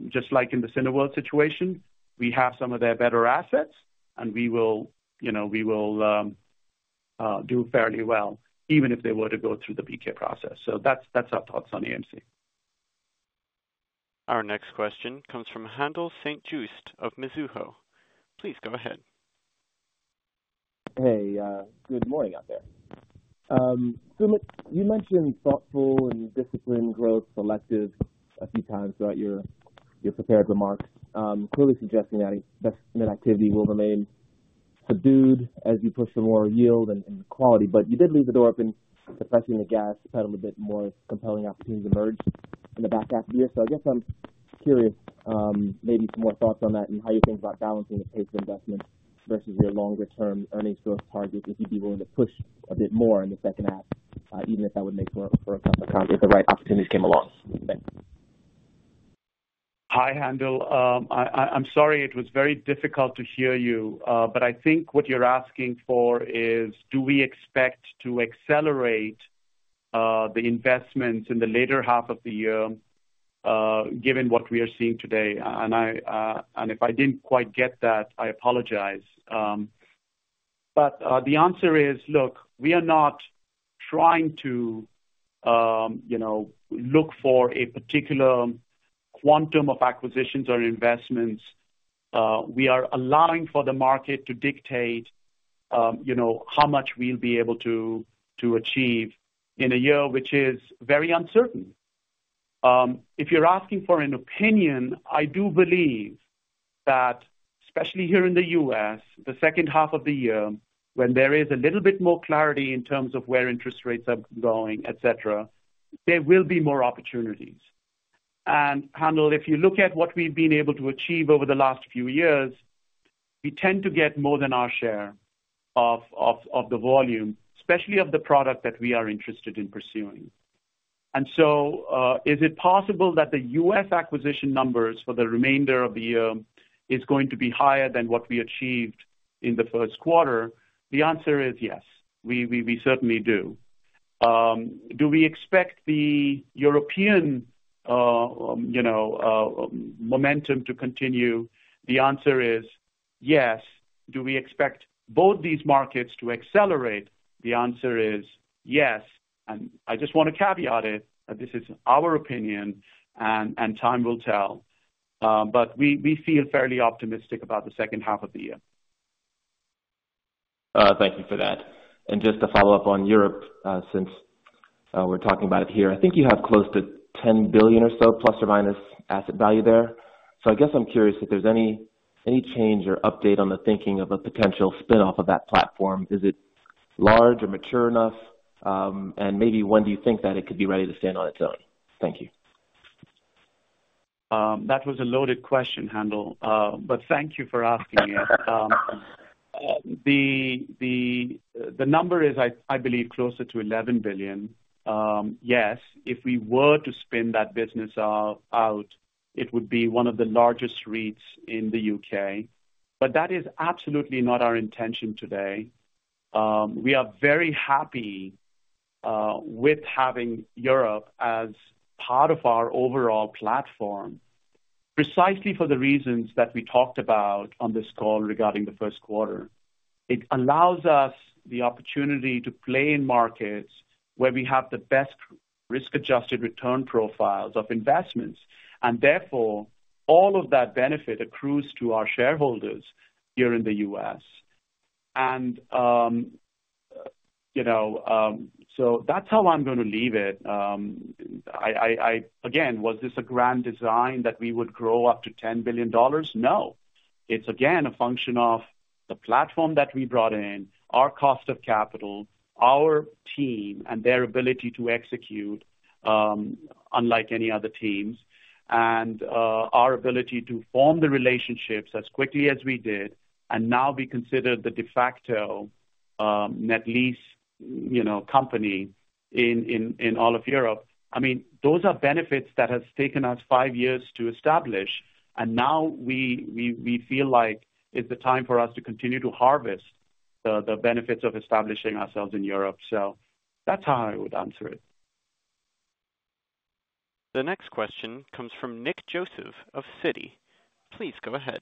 just like in the Cineworld situation, we have some of their better assets, and we will, you know, we will, do fairly well even if they were to go through the BK process. So that's, that's our thoughts on AMC. Our next question comes from Haendel St. Juste of Mizuho. Please go ahead. Hey, good morning out there. So look, you mentioned thoughtful and disciplined growth selective a few times throughout your prepared remarks, clearly suggesting that investment activity will remain subdued as you push for more yield and quality. But you did leave the door open to pressing the gas pedal a bit more if compelling opportunities emerge in the back half of the year. So I guess I'm curious, maybe some more thoughts on that and how you think about balancing the pace of investment versus your longer-term earnings growth targets, if you'd be willing to push a bit more in the second half, even if that would make for a record, if the right opportunity came along. Hi, Haendel. I'm sorry, it was very difficult to hear you. But I think what you're asking for is, do we expect to accelerate the investments in the later half of the year, given what we are seeing today? If I didn't quite get that, I apologize. But the answer is, look, we are not trying to you know, look for a particular quantum of acquisitions or investments. We are allowing for the market to dictate you know, how much we'll be able to achieve in a year, which is very uncertain. If you're asking for an opinion, I do believe that, especially here in the U.S., the second half of the year, when there is a little bit more clarity in terms of where interest rates are going, et cetera, there will be more opportunities. And Haendel, if you look at what we've been able to achieve over the last few years, we tend to get more than our share of the volume, especially of the product that we are interested in pursuing. And so, is it possible that the U.S. acquisition numbers for the remainder of the year is going to be higher than what we achieved in the first quarter? The answer is yes. We certainly do. Do we expect the European, you know, momentum to continue? The answer is yes. Do we expect both these markets to accelerate? The answer is yes. And I just want to caveat it, that this is our opinion and time will tell. But we feel fairly optimistic about the second half of the year. Thank you for that. And just to follow up on Europe, since we're talking about it here. I think you have close to $10 billion or so, plus or minus asset value there. So I guess I'm curious if there's any, any change or update on the thinking of a potential spin-off of that platform. Is it large or mature enough? And maybe when do you think that it could be ready to stand on its own? Thank you. That was a loaded question, Haendel, but thank you for asking it. The number is, I believe, closer to $11 billion. Yes, if we were to spin that business out, it would be one of the largest REITs in the U.K., but that is absolutely not our intention today. We are very happy with having Europe as part of our overall platform, precisely for the reasons that we talked about on this call regarding the first quarter. It allows us the opportunity to play in markets where we have the best risk-adjusted return profiles of investments, and therefore, all of that benefit accrues to our shareholders here in the U.S. And, you know, so that's how I'm going to leave it. Again, was this a grand design that we would grow up to $10 billion? No. It's again, a function of the platform that we brought in, our cost of capital, our team and their ability to execute, unlike any other teams, and our ability to form the relationships as quickly as we did, and now we consider the de facto net lease, you know, company in all of Europe. I mean, those are benefits that has taken us five years to establish, and now we feel like it's the time for us to continue to harvest the benefits of establishing ourselves in Europe. So that's how I would answer it. The next question comes from Nick Joseph of Citi. Please go ahead.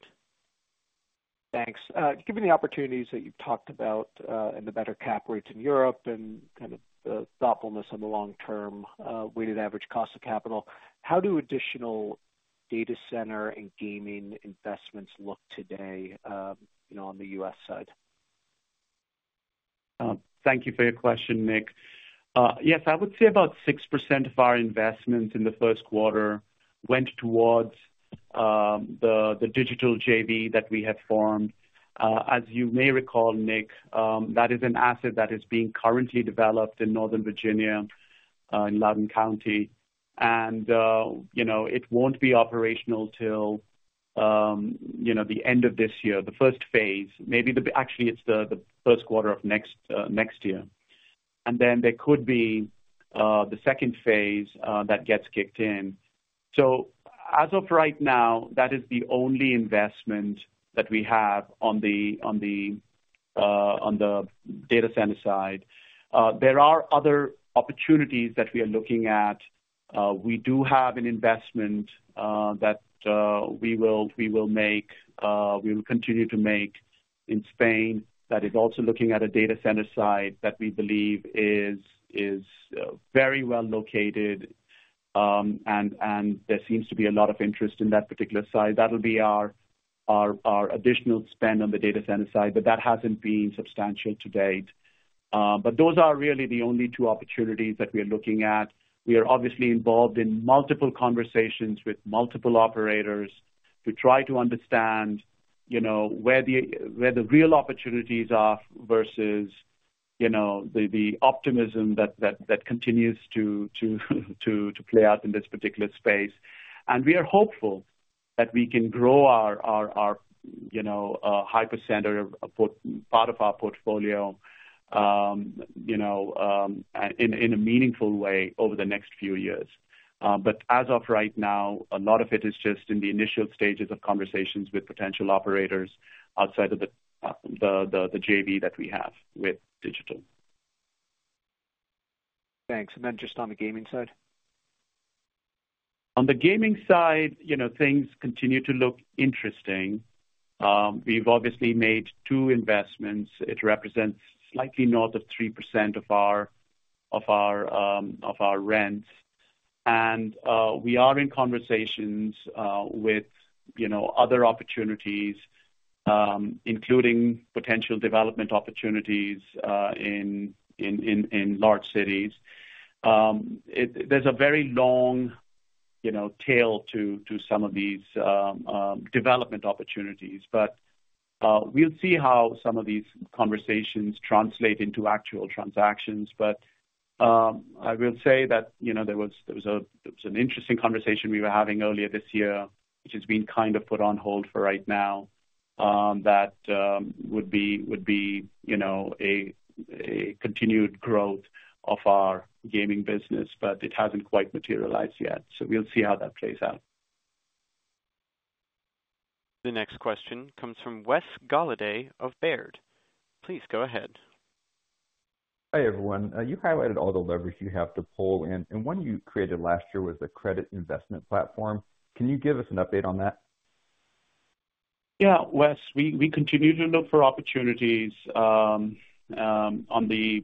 Thanks. Given the opportunities that you've talked about, and the better cap rates in Europe and kind of the thoughtfulness on the long term, weighted average cost of capital, how do additional data center and gaming investments look today, you know, on the U.S. side? Thank you for your question, Nick. Yes, I would say about 6% of our investment in the first quarter went towards the Digital JV that we have formed. As you may recall, Nick, that is an asset that is being currently developed in Northern Virginia, in Loudoun County. And you know, it won't be operational till you know, the end of this year, the first phase. Maybe the... Actually, it's the first quarter of next year. And then there could be the second phase that gets kicked in. So as of right now, that is the only investment that we have on the data center side. There are other opportunities that we are looking at. We do have an investment that we will continue to make in Spain that is also looking at a data center site that we believe is very well located. And there seems to be a lot of interest in that particular site. That'll be our additional spend on the data center side, but that hasn't been substantial to date. But those are really the only two opportunities that we are looking at. We are obviously involved in multiple conversations with multiple operators to try to understand, you know, where the real opportunities are versus, you know, the optimism that continues to play out in this particular space. We are hopeful that we can grow our you know data center portfolio part of our portfolio, you know, in a meaningful way over the next few years. But as of right now, a lot of it is just in the initial stages of conversations with potential operators outside of the JV that we have with Digital Realty. Thanks. And then just on the gaming side? On the gaming side, you know, things continue to look interesting. We've obviously made two investments. It represents slightly north of 3% of our rent. And we are in conversations with, you know, other opportunities, including potential development opportunities in large cities. There's a very long, you know, tail to some of these development opportunities, but we'll see how some of these conversations translate into actual transactions. But I will say that, you know, there was an interesting conversation we were having earlier this year, which has been kind of put on hold for right now, that would be, you know, a continued growth of our gaming business, but it hasn't quite materialized yet. So we'll see how that plays out. The next question comes from Wes Golladay of Baird. Please go ahead. Hi, everyone. You highlighted all the levers you have to pull in, and one you created last year was a credit investment platform. Can you give us an update on that? Yeah, Wes, we continue to look for opportunities, you know, on the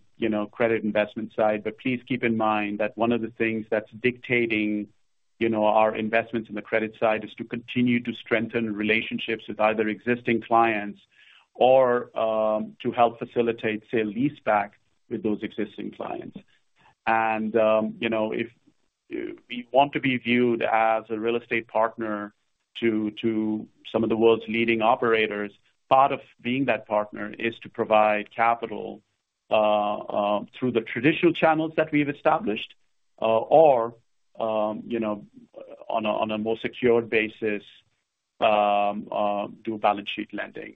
credit investment side. But please keep in mind that one of the things that's dictating, you know, our investments in the credit side is to continue to strengthen relationships with either existing clients or to help facilitate sale-leaseback with those existing clients. And, you know, if we want to be viewed as a real estate partner to some of the world's leading operators, part of being that partner is to provide capital through the traditional channels that we've established or, you know, on a more secured basis, do balance sheet lending.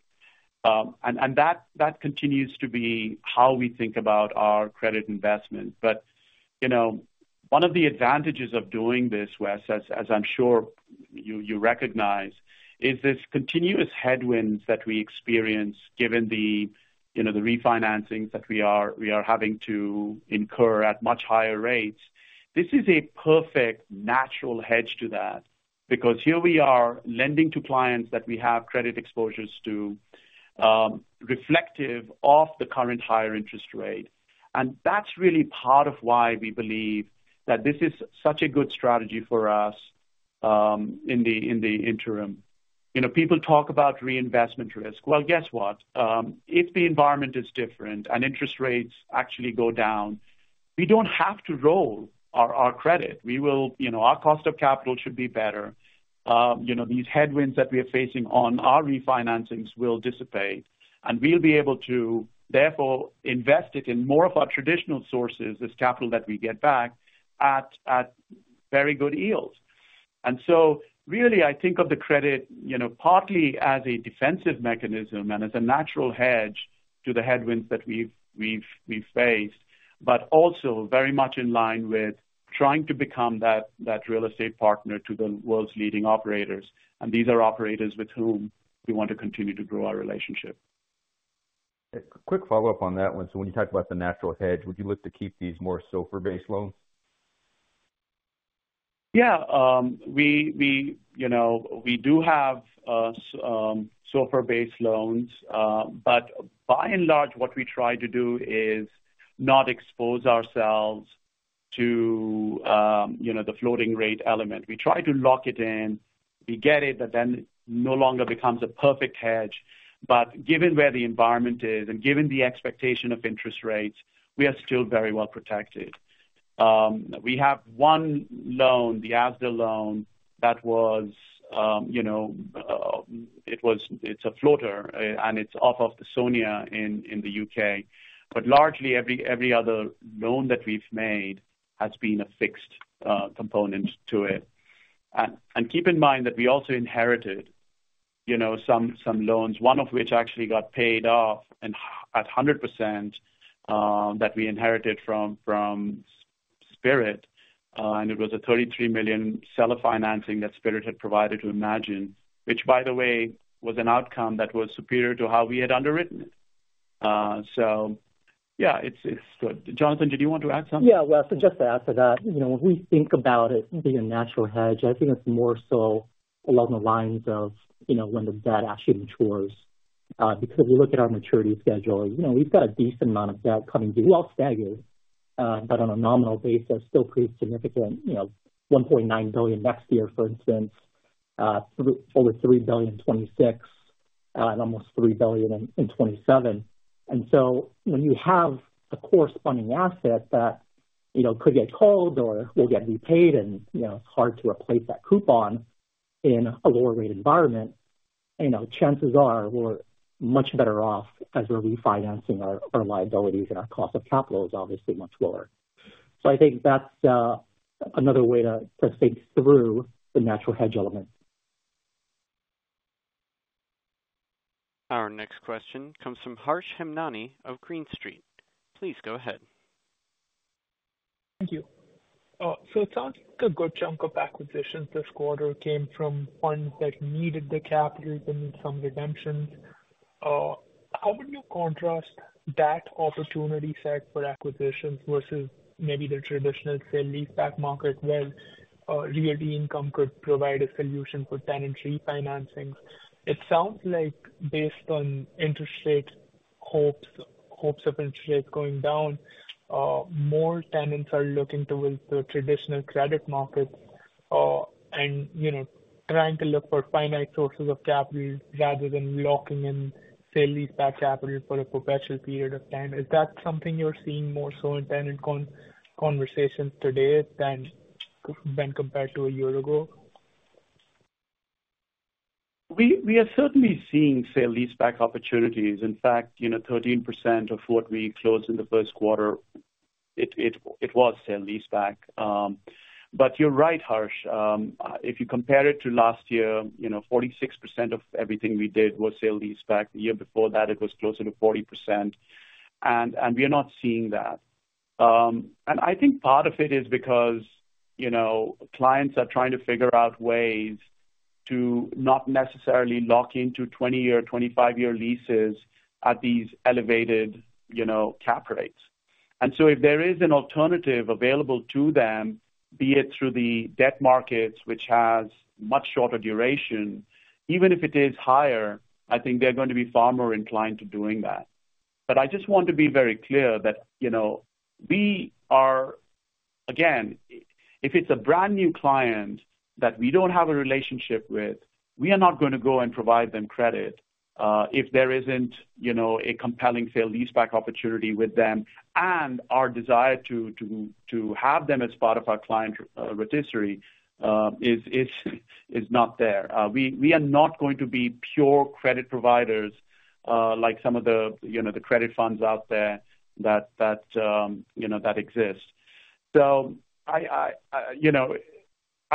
And that continues to be how we think about our credit investment. You know, one of the advantages of doing this, Wes, as I'm sure you recognize, is this continuous headwinds that we experience given the, you know, the refinancings that we are having to incur at much higher rates. This is a perfect natural hedge to that because here we are lending to clients that we have credit exposures to, reflective of the current higher interest rate. And that's really part of why we believe that this is such a good strategy for us, in the interim. You know, people talk about reinvestment risk. Well, guess what? If the environment is different and interest rates actually go down, we don't have to roll our credit. We will. You know, our cost of capital should be better. You know, these headwinds that we are facing on our refinancings will dissipate, and we'll be able to therefore invest it in more of our traditional sources, this capital that we get back, at very good yields. And so really, I think of the credit, you know, partly as a defensive mechanism and as a natural hedge to the headwinds that we've faced, but also very much in line with trying to become that real estate partner to the world's leading operators. And these are operators with whom we want to continue to grow our relationship. A quick follow-up on that one. So when you talk about the natural hedge, would you look to keep these more SOFR-based loans? Yeah. We, we, you know, we do have SOFR-based loans. But by and large, what we try to do is not expose ourselves to, you know, the floating rate element. We try to lock it in. We get it, but then it no longer becomes a perfect hedge. But given where the environment is and given the expectation of interest rates, we are still very well protected. We have one loan, the Asda loan, that was, you know, it was—it's a floater, and it's off of the SONIA in the UK. But largely, every other loan that we've made has been a fixed component to it. Keep in mind that we also inherited, you know, some loans, one of which actually got paid off at 100%, that we inherited from Spirit. And it was a $33 million seller financing that Spirit had provided to Imagine, which, by the way, was an outcome that was superior to how we had underwritten it. So yeah, it's good. Jonathan, did you want to add something? Yeah, Wes, just to add to that, you know, when we think about it being a natural hedge, I think it's more so along the lines of, you know, when the debt actually matures. Because we look at our maturity schedule, you know, we've got a decent amount of debt coming due. Well, staggered, but on a nominal basis, still pretty significant, you know, $1.9 billion next year, for instance, over $3 billion in 2026, and almost $3 billion in 2027. And so when you have a corresponding asset that, you know, could get held or will get repaid and, you know, it's hard to replace that coupon in a lower rate environment, you know, chances are we're much better off as we're refinancing our, our liabilities, and our cost of capital is obviously much lower. So I think that's another way to think through the natural hedge element. Our next question comes from Harsh Hemnani of Green Street. Please go ahead. Thank you. So it sounds like a good chunk of acquisitions this quarter came from funds that needed the capital than some redemptions. How would you contrast that opportunity set for acquisitions versus maybe the traditional sale leaseback market, where Realty Income could provide a solution for tenant refinancings? It sounds like based on interest rate hopes, hopes of interest rates going down, more tenants are looking towards the traditional credit markets, and, you know, trying to look for finite sources of capital rather than locking in sale leaseback capital for a perpetual period of time. Is that something you're seeing more so in tenant conversations today than when compared to a year ago? We are certainly seeing sale-leaseback opportunities. In fact, you know, 13% of what we closed in the first quarter, it was sale-leaseback. But you're right, Harsh. If you compare it to last year, you know, 46% of everything we did was sale-leaseback. The year before that, it was closer to 40%, and we are not seeing that. And I think part of it is because, you know, clients are trying to figure out ways to not necessarily lock into 20-year, 25-year leases at these elevated, you know, cap rates. And so if there is an alternative available to them, be it through the debt markets, which has much shorter duration, even if it is higher, I think they're going to be far more inclined to doing that. But I just want to be very clear that, you know, we are again, if it's a brand-new client that we don't have a relationship with, we are not going to go and provide them credit if there isn't, you know, a compelling sale-leaseback opportunity with them, and our desire to have them as part of our client roster is not there. We are not going to be pure credit providers like some of the, you know, the credit funds out there that exist. So I, you know,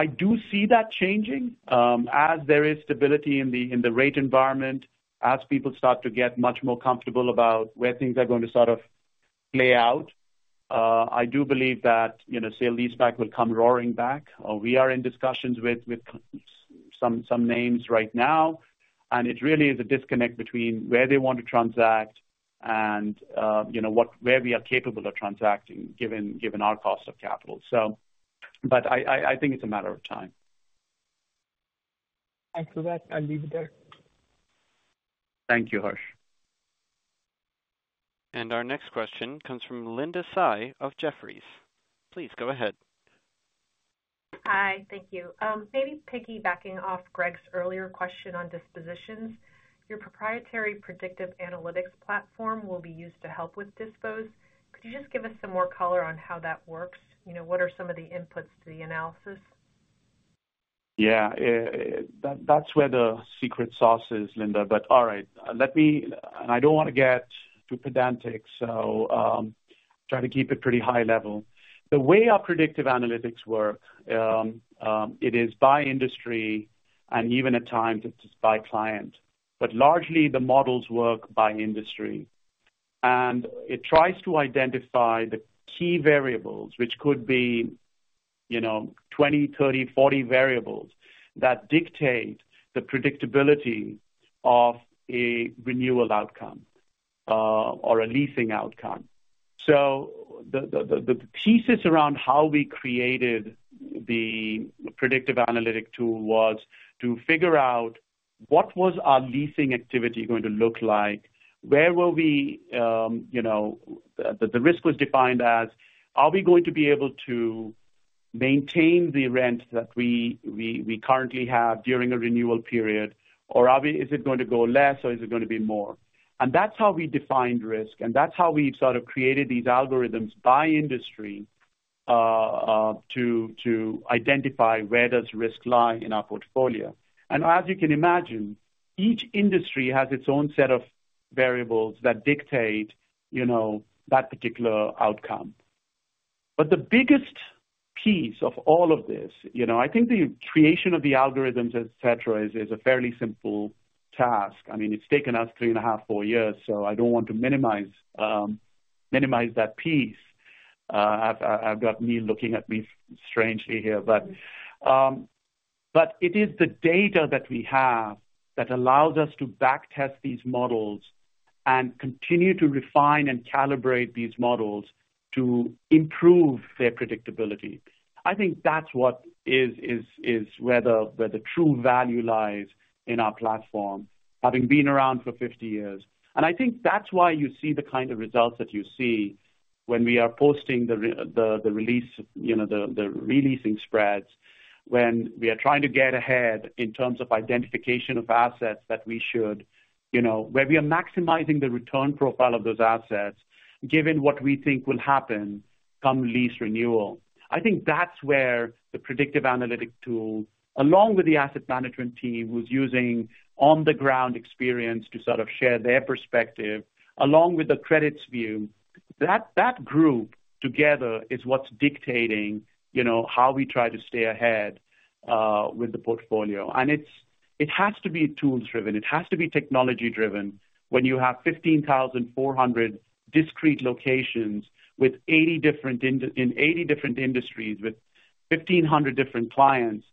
I do see that changing as there is stability in the rate environment, as people start to get much more comfortable about where things are going to sort of play out. I do believe that, you know, sale-leaseback will come roaring back. We are in discussions with some names right now, and it really is a disconnect between where they want to transact and, you know, where we are capable of transacting, given our cost of capital, so. But I think it's a matter of time. Thanks for that. I'll leave it there. Thank you, Harsh. Our next question comes from Linda Tsai of Jefferies. Please go ahead. Hi, thank you. Maybe piggybacking off Greg's earlier question on dispositions, your proprietary predictive analytics platform will be used to help with dispos. Could you just give us some more color on how that works? You know, what are some of the inputs to the analysis? Yeah, that's where the secret sauce is, Linda. But all right, let me. And I don't want to get too pedantic, so try to keep it pretty high level. The way our predictive analytics work, it is by industry and even at times it's by client. But largely, the models work by industry. And it tries to identify the key variables, which could be, you know, 20, 30, 40 variables that dictate the predictability of a renewal outcome, or a leasing outcome. So the thesis around how we created the predictive analytic tool was to figure out: What was our leasing activity going to look like? Where will we, you know, the risk was defined as, are we going to be able to maintain the rent that we currently have during a renewal period, or are we-- is it going to go less, or is it going to be more? And that's how we defined risk, and that's how we sort of created these algorithms by industry to identify where does risk lie in our portfolio. And as you can imagine, each industry has its own set of variables that dictate, you know, that particular outcome. But the biggest piece of all of this, you know, I think the creation of the algorithms, et cetera, is a fairly simple task. I mean, it's taken us 3.5-4 years, so I don't want to minimize that piece. I've got Neil looking at me strangely here. But, but it is the data that we have that allows us to back test these models and continue to refine and calibrate these models to improve their predictability. I think that's what is where the true value lies in our platform, having been around for 50 years. And I think that's why you see the kind of results that you see when we are posting the release, you know, the re-leasing spreads, when we are trying to get ahead in terms of identification of assets that we should, you know, where we are maximizing the return profile of those assets, given what we think will happen come lease renewal. I think that's where the predictive analytic tool, along with the asset management team, who's using on-the-ground experience to sort of share their perspective, along with the Credit's View. That, that group together is what's dictating, you know, how we try to stay ahead with the portfolio. And it's—it has to be tools driven. It has to be technology driven. When you have 15,400 discrete locations with 80 different industries with 1,500 different clients,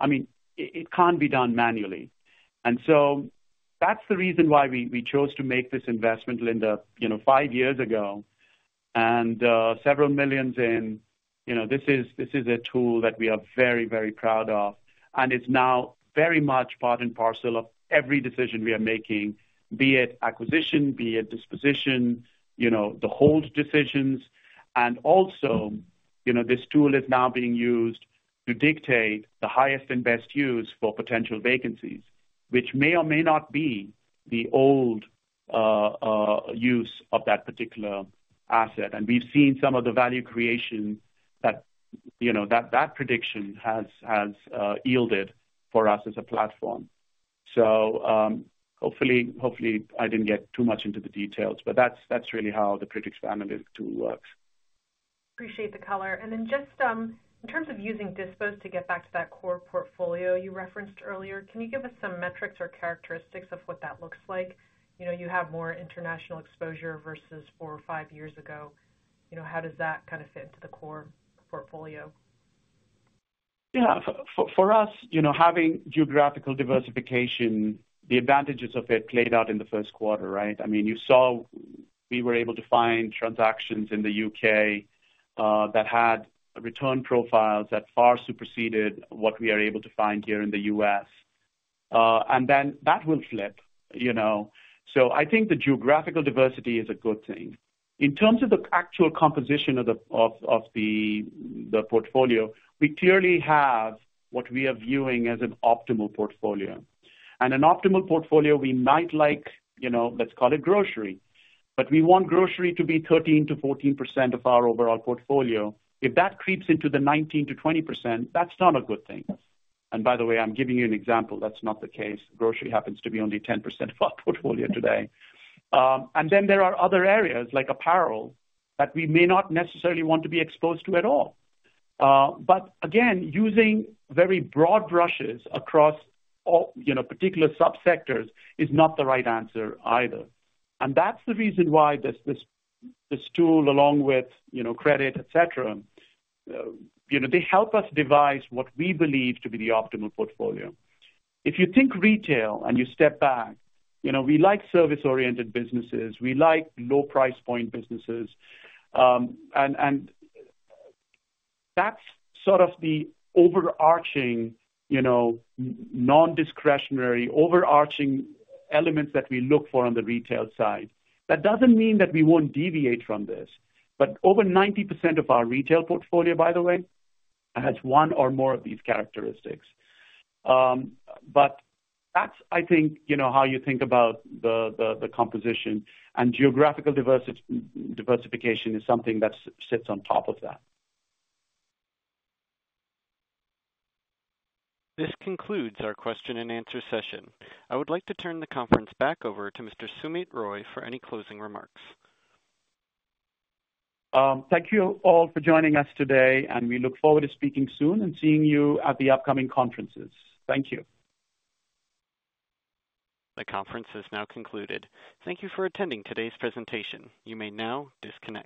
I mean, it can't be done manually. And so that's the reason why we chose to make this investment, Linda, you know, five years ago, and $several million. You know, this is a tool that we are very, very proud of, and it's now very much part and parcel of every decision we are making, be it acquisition, be it disposition, you know, the hold decisions. And also, you know, this tool is now being used to dictate the highest and best use for potential vacancies, which may or may not be the old use of that particular asset. And we've seen some of the value creation that, you know, that prediction has yielded for us as a platform. So, hopefully, I didn't get too much into the details, but that's really how the predictive analytics tool works. Appreciate the color. Then just, in terms of using dispositions, to get back to that core portfolio you referenced earlier, can you give us some metrics or characteristics of what that looks like? You know, you have more international exposure versus four or five years ago. You know, how does that kind of fit into the core portfolio? Yeah. For us, you know, having geographical diversification, the advantages of it played out in the first quarter, right? I mean, you saw we were able to find transactions in the U.K. that had return profiles that far superseded what we are able to find here in the U.S. And then that will flip, you know. So I think the geographical diversity is a good thing. In terms of the actual composition of the portfolio, we clearly have what we are viewing as an optimal portfolio. And an optimal portfolio we might like, you know, let's call it grocery, but we want grocery to be 13%-14% of our overall portfolio. If that creeps into the 19%-20%, that's not a good thing. And by the way, I'm giving you an example. That's not the case. Grocery happens to be only 10% of our portfolio today. And then there are other areas, like apparel, that we may not necessarily want to be exposed to at all. But again, using very broad brushes across all, you know, particular subsectors is not the right answer either. And that's the reason why this tool, along with, you know, credit, et cetera, you know, they help us devise what we believe to be the optimal portfolio. If you think retail and you step back, you know, we like service-oriented businesses. We like low price point businesses. And that's sort of the overarching, you know, non-discretionary, overarching elements that we look for on the retail side. That doesn't mean that we won't deviate from this, but over 90% of our retail portfolio, by the way, has one or more of these characteristics. That's, I think, you know, how you think about the composition, and geographical diversification is something that sits on top of that. This concludes our question and answer session. I would like to turn the conference back over to Mr. Sumit Roy for any closing remarks. Thank you all for joining us today, and we look forward to speaking soon and seeing you at the upcoming conferences. Thank you. The conference is now concluded. Thank you for attending today's presentation. You may now disconnect.